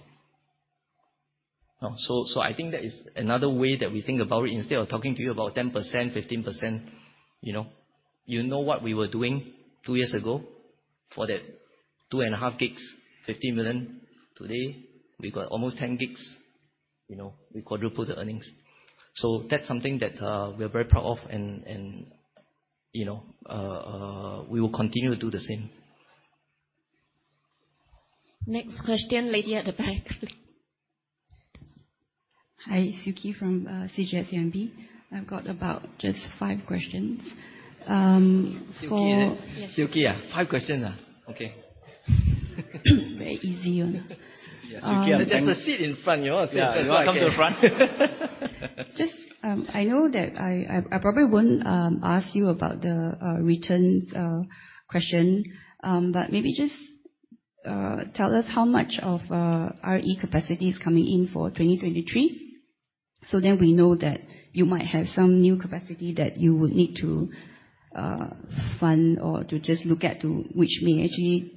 I think that is another way that we think about it. Instead of talking to you about 10%, 15%, you know. You know what we were doing 2 years ago for that 2.5 gigs, $50 million. Today, we've got almost 10 gigs, you know. We quadrupled the earnings. That's something that we are very proud of and, you know, we will continue to do the same. Next question, lady at the back. Hi. Suki from CIMB. I've got about just five questions. Suki. Yes. Suki, five questions, huh? Okay. Very easy only. Suki, There's a seat in front. You want to sit? Yeah, you wanna come to the front? Just, I know that I probably won't ask you about the returns question. Maybe just tell us how much of RE capacity is coming in for 2023, so then we know that you might have some new capacity that you would need to fund or to just look at to which may actually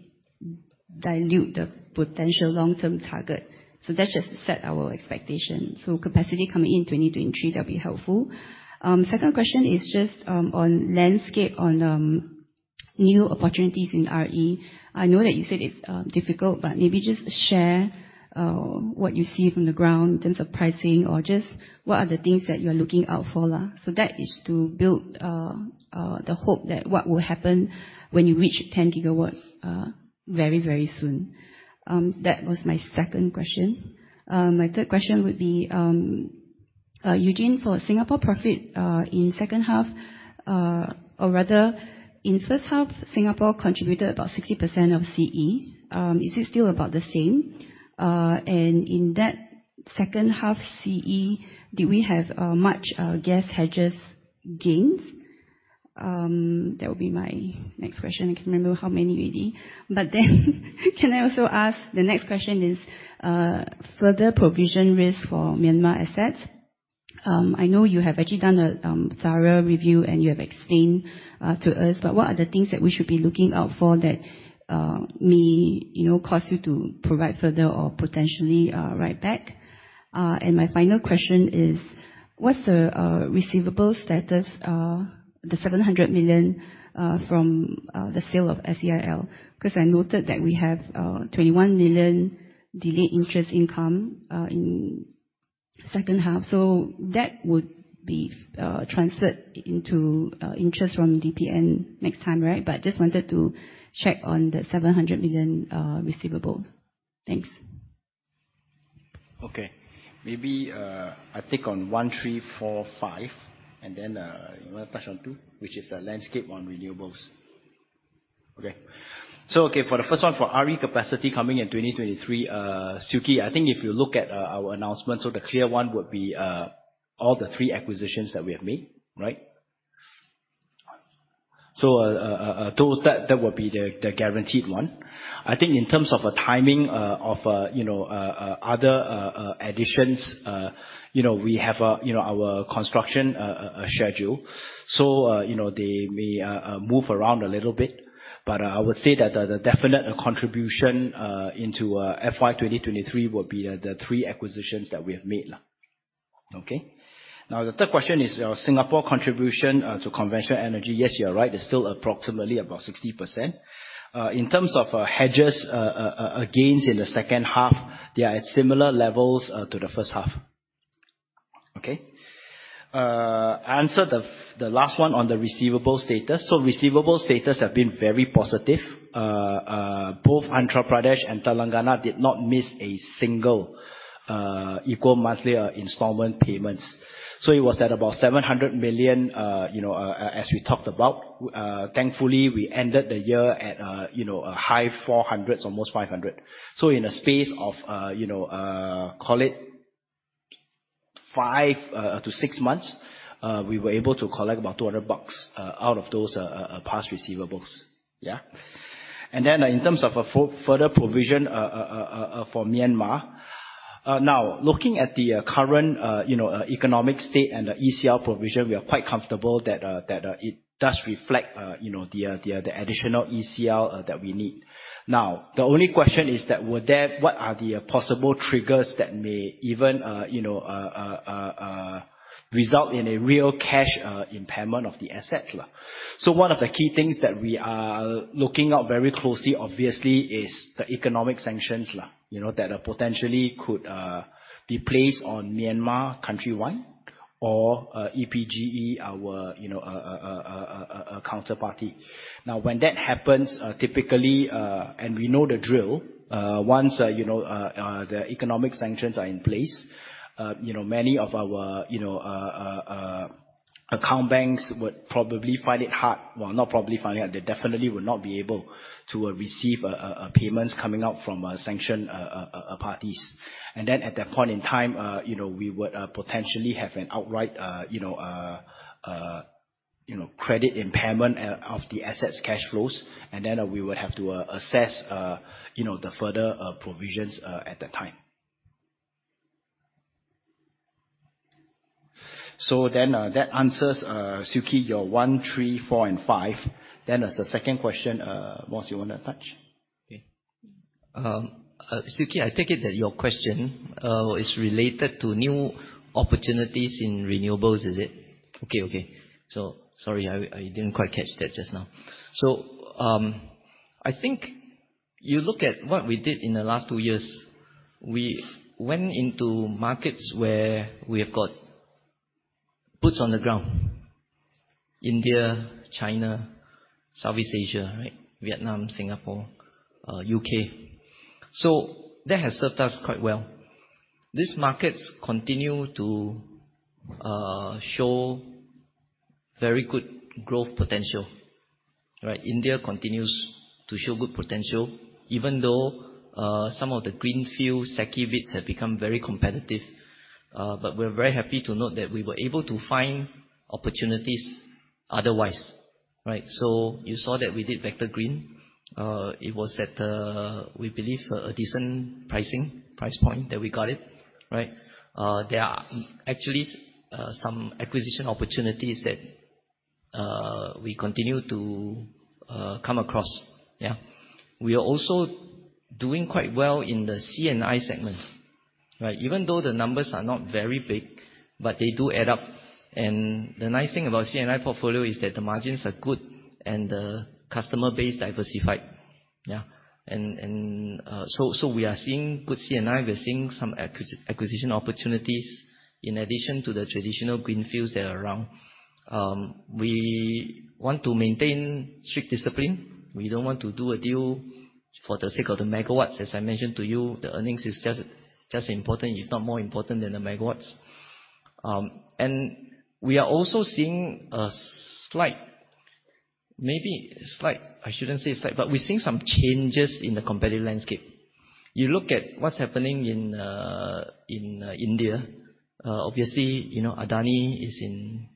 dilute the potential long-term target. That's just to set our expectations. Capacity coming in 2023, that'd be helpful. Second question is just on landscape on new opportunities in RE. I know that you said it's difficult, but maybe just share what you see from the ground in terms of pricing or just what are the things that you're looking out for. That is to build the hope that what will happen when you reach 10 gigawatts very, very soon. That was my second question. My third question would be, Eugene, for Singapore profit in second half, or rather in first half, Singapore contributed about 60% of CE. Is it still about the same? In that second half CE, do we have much gas hedges gains? That would be my next question. I can't remember how many really. Can I also ask the next question, is further provision risk for Myanmar assets? I know you have actually done a thorough review, and you have explained to us, but what are the things that we should be looking out for that may, you know, cause you to provide further or potentially write back? My final question is, what's the receivable status, the $700 million from the sale of SEIL? 'Cause I noted that we have $21 million delayed interest income in second half. That would be transferred into interest from DPN next time, right? Just wanted to check on the $700 million receivables. Thanks. Okay. Maybe, I take on 1, 3, 4, 5, and then, you wanna touch on 2? Which is the landscape on renewables. Okay. Okay, for the first one, for RE capacity coming in 2023, Suki, I think if you look at our announcement, the clear one would be all the 3 acquisitions that we have made. Right? That would be the guaranteed one. I think in terms of timing of, you know, other additions, you know, we have, you know, our construction schedule. You know, they may move around a little bit, but I would say that the definite contribution into FY2023 will be the 3 acquisitions that we have made. Okay? Now, the third question is Singapore contribution to Conventional Energy. Yes, you are right. It's still approximately about 60%. In terms of hedges, gains in the second half, they are at similar levels to the first half. Okay? Answer the last one on the receivable status. Receivable status have been very positive. Both Andhra Pradesh and Telangana did not miss a single equal monthly installment payments. It was at about 700 million, you know, as we talked about. Thankfully, we ended the year at, you know, a high 400 million, almost 500 million. In a space of, you know, call it 5 to 6 months, we were able to collect about 200 million bucks out of those past receivables. Then in terms of a further provision for Myanmar. Looking at the current, you know, economic state and the ECL provision, we are quite comfortable that, it does reflect, you know, the, the additional ECL that we need. The only question is that with that, what are the possible triggers that may even, you know, result in a real cash, impairment of the assets? One of the key things that we are looking out very closely, obviously, is the economic sanctions, you know, that potentially could, be placed on Myanmar country one or, EPGE, our, you know, counterparty. Now, when that happens, typically, and we know the drill, once, you know, Account banks would probably find it hard. Well, not probably find it hard, they definitely would not be able to receive payments coming out from sanction parties. At that point in time, you know, we would potentially have an outright, you know, credit impairment of the assets cash flows. We would have to assess, you know, the further provisions at that time. That answers Suki, your 1, 3, 4, and 5. As the second question, Moss, you wanna touch? Okay. Suki, I take it that your question is related to new opportunities in renewables, is it? Okay. Okay. Sorry, I didn't quite catch that just now. I think you look at what we did in the last two years. We went into markets where we have got boots on the ground. India, China, Southeast Asia, right? Vietnam, Singapore, UK. That has served us quite well. These markets continue to show very good growth potential, right? India continues to show good potential, even though some of the greenfield secondary bits have become very competitive. We're very happy to note that we were able to find opportunities otherwise, right? You saw that we did Vector Green. It was at, we believe a decent pricing, price point that we got it, right? There are actually some acquisition opportunities that we continue to come across. Yeah. We are also doing quite well in the C&I segment, right? Even though the numbers are not very big, but they do add up. The nice thing about C&I portfolio is that the margins are good and the customer base diversified. Yeah. We are seeing good C&I. We're seeing some acquisition opportunities in addition to the traditional greenfields that are around. We want to maintain strict discipline. We don't want to do a deal for the sake of the megawatts. As I mentioned to you, the earnings is just important, if not more important than the megawatts. We are also seeing a slight, maybe slight, I shouldn't say slight, but we're seeing some changes in the competitive landscape. You look at what's happening in India. Obviously, you know, Adani is in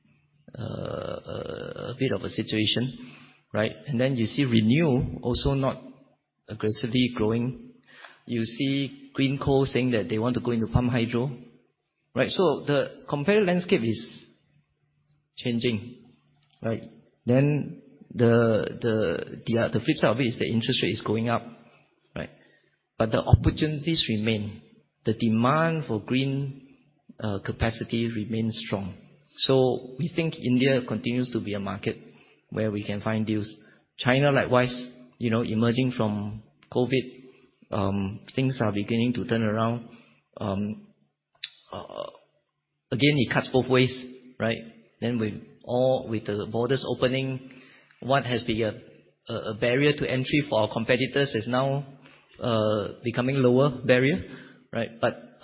a bit of a situation, right? You see ReNew also not aggressively growing. You see Greenko saying that they want to go into Pumped Hydro, right? The competitive landscape is changing, right? The flip side of it is the interest rate is going up, right? The opportunities remain. The demand for green capacity remains strong. We think India continues to be a market where we can find deals. China, likewise, you know, emerging from COVID, things are beginning to turn around. Again, it cuts both ways, right? With the borders opening, what has been a barrier to entry for our competitors is now becoming lower barrier, right?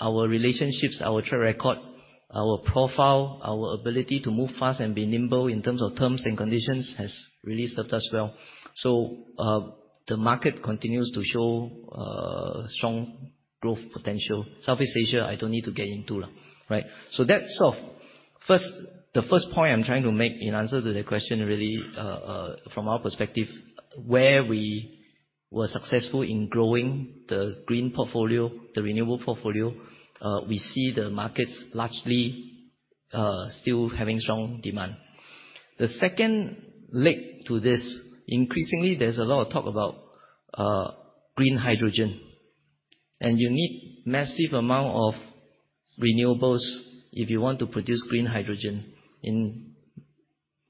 Our relationships, our track record, our profile, our ability to move fast and be nimble in terms of terms and conditions has really served us well. The market continues to show strong growth potential. Southeast Asia, I don't need to get into, right? That's sort of The first point I'm trying to make in answer to that question, really, from our perspective, where we were successful in growing the green portfolio, the renewable portfolio, we see the markets largely still having strong demand. The second leg to this, increasingly, there's a lot of talk about green hydrogen. You need massive amount of renewables if you want to produce green hydrogen in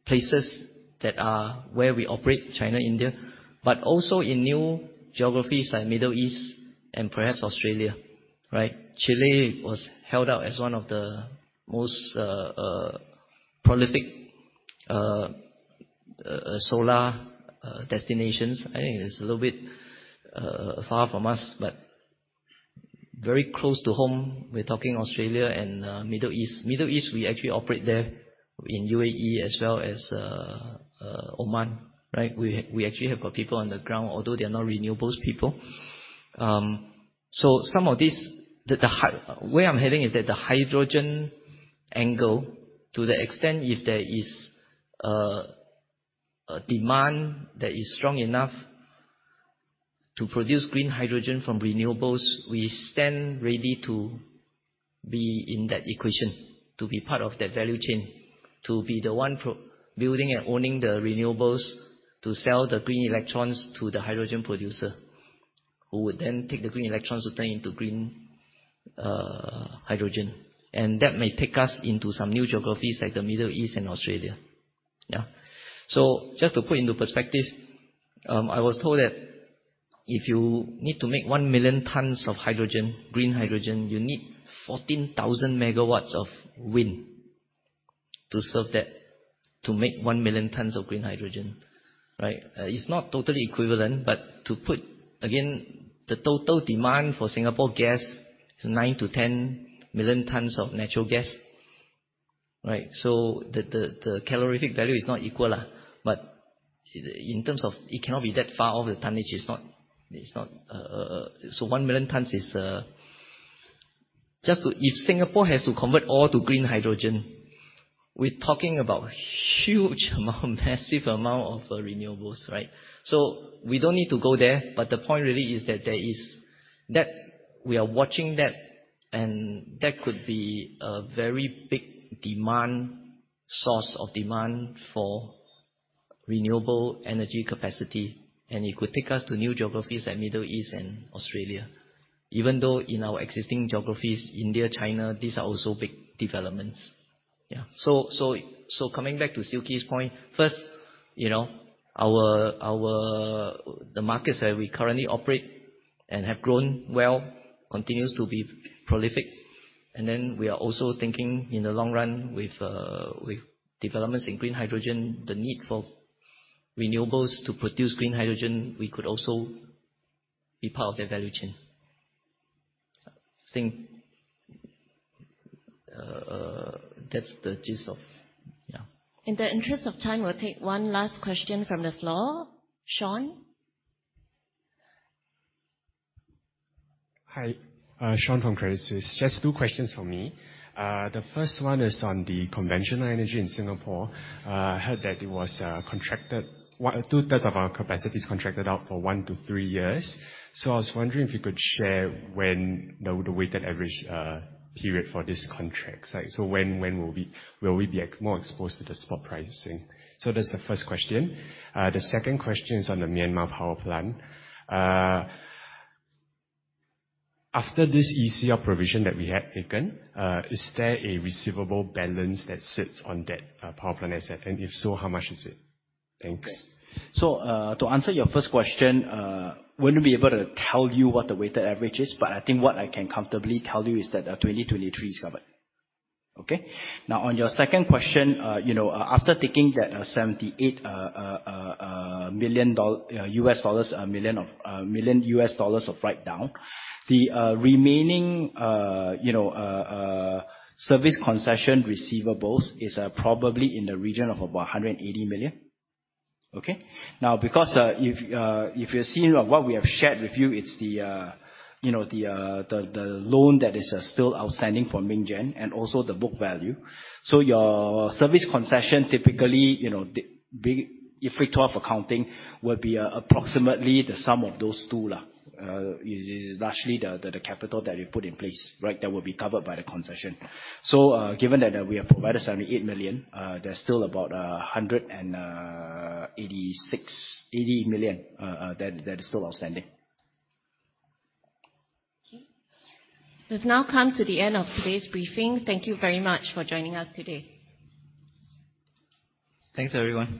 places that are where we operate, China, India. Also in new geographies like Middle East and perhaps Australia, right? Chile was held out as one of the most prolific solar destinations. I think it's a little bit far from us, but very close to home, we're talking Australia and Middle East. Middle East, we actually operate there in UAE as well as Oman, right? We actually have got people on the ground, although they are not renewables people. Some of these, the hydrogen angle, to the extent if there is a demand that is strong enough to produce green hydrogen from renewables, we stand ready to be in that equation, to be part of that value chain. To be the 1 building and owning the renewables, to sell the green electrons to the hydrogen producer, who would then take the green electrons to turn into green hydrogen. That may take us into some new geographies like the Middle East and Australia. Yeah. Just to put into perspective, I was told that if you need to make 1 million tons of hydrogen, green hydrogen, you need 14,000 megawatts of wind to serve that. To make 1 million tons of green hydrogen, right? It's not totally equivalent, but to put again the total demand for Singapore gas is 9-10 million tons of natural gas, right? The calorific value is not equal, but in terms of it cannot be that far off the tonnage. It's not... 1 million tons is if Singapore has to convert all to green hydrogen, we're talking about huge amount, massive amount of renewables, right? We don't need to go there. The point really is that there is that we are watching that and that could be a very big demand, source of demand for renewable energy capacity. It could take us to new geographies like Middle East and Australia, even though in our existing geographies, India, China, these are also big developments. Yeah. Coming back to Suki's point. First, you know, our... The markets that we currently operate and have grown well continues to be prolific. We are also thinking in the long run with developments in green hydrogen, the need for renewables to produce green hydrogen, we could also be part of their value chain. I think, that's the gist of. Yeah. In the interest of time, we'll take one last question from the floor. Sean. Hi. Sean from Crisis. Just two questions for me. The first one is on the Conventional Energy in Singapore. Heard that it was contracted. Two-thirds of our capacity is contracted out for one to three years. I was wondering if you could share when the weighted average period for this contract. When, when will we, will we be more exposed to the spot pricing? That's the first question. The second question is on the Myanmar power plant. After this ECL provision that we had taken, is there a receivable balance that sits on that power plant asset? And if so, how much is it? Thanks. To answer your first question, wouldn't be able to tell you what the weighted average is, but I think what I can comfortably tell you is that 2023 is covered. Okay? On your second question, you know, after taking that $78 million US dollars of write down, the remaining, you know, service concession receivables is probably in the region of about $180 million. Okay? Because, if you're seeing what we have shared with you, it's the, you know, the loan that is still outstanding for MingGen and also the book value. Your service concession, typically, if we talk accounting, will be approximately the sum of those two, is largely the capital that we put in place, right? That will be covered by the concession. Given that, we have provided 78 million, there's still about 186, 80 million that is still outstanding. Okay. We've now come to the end of today's briefing. Thank you very much for joining us today. Thanks, everyone.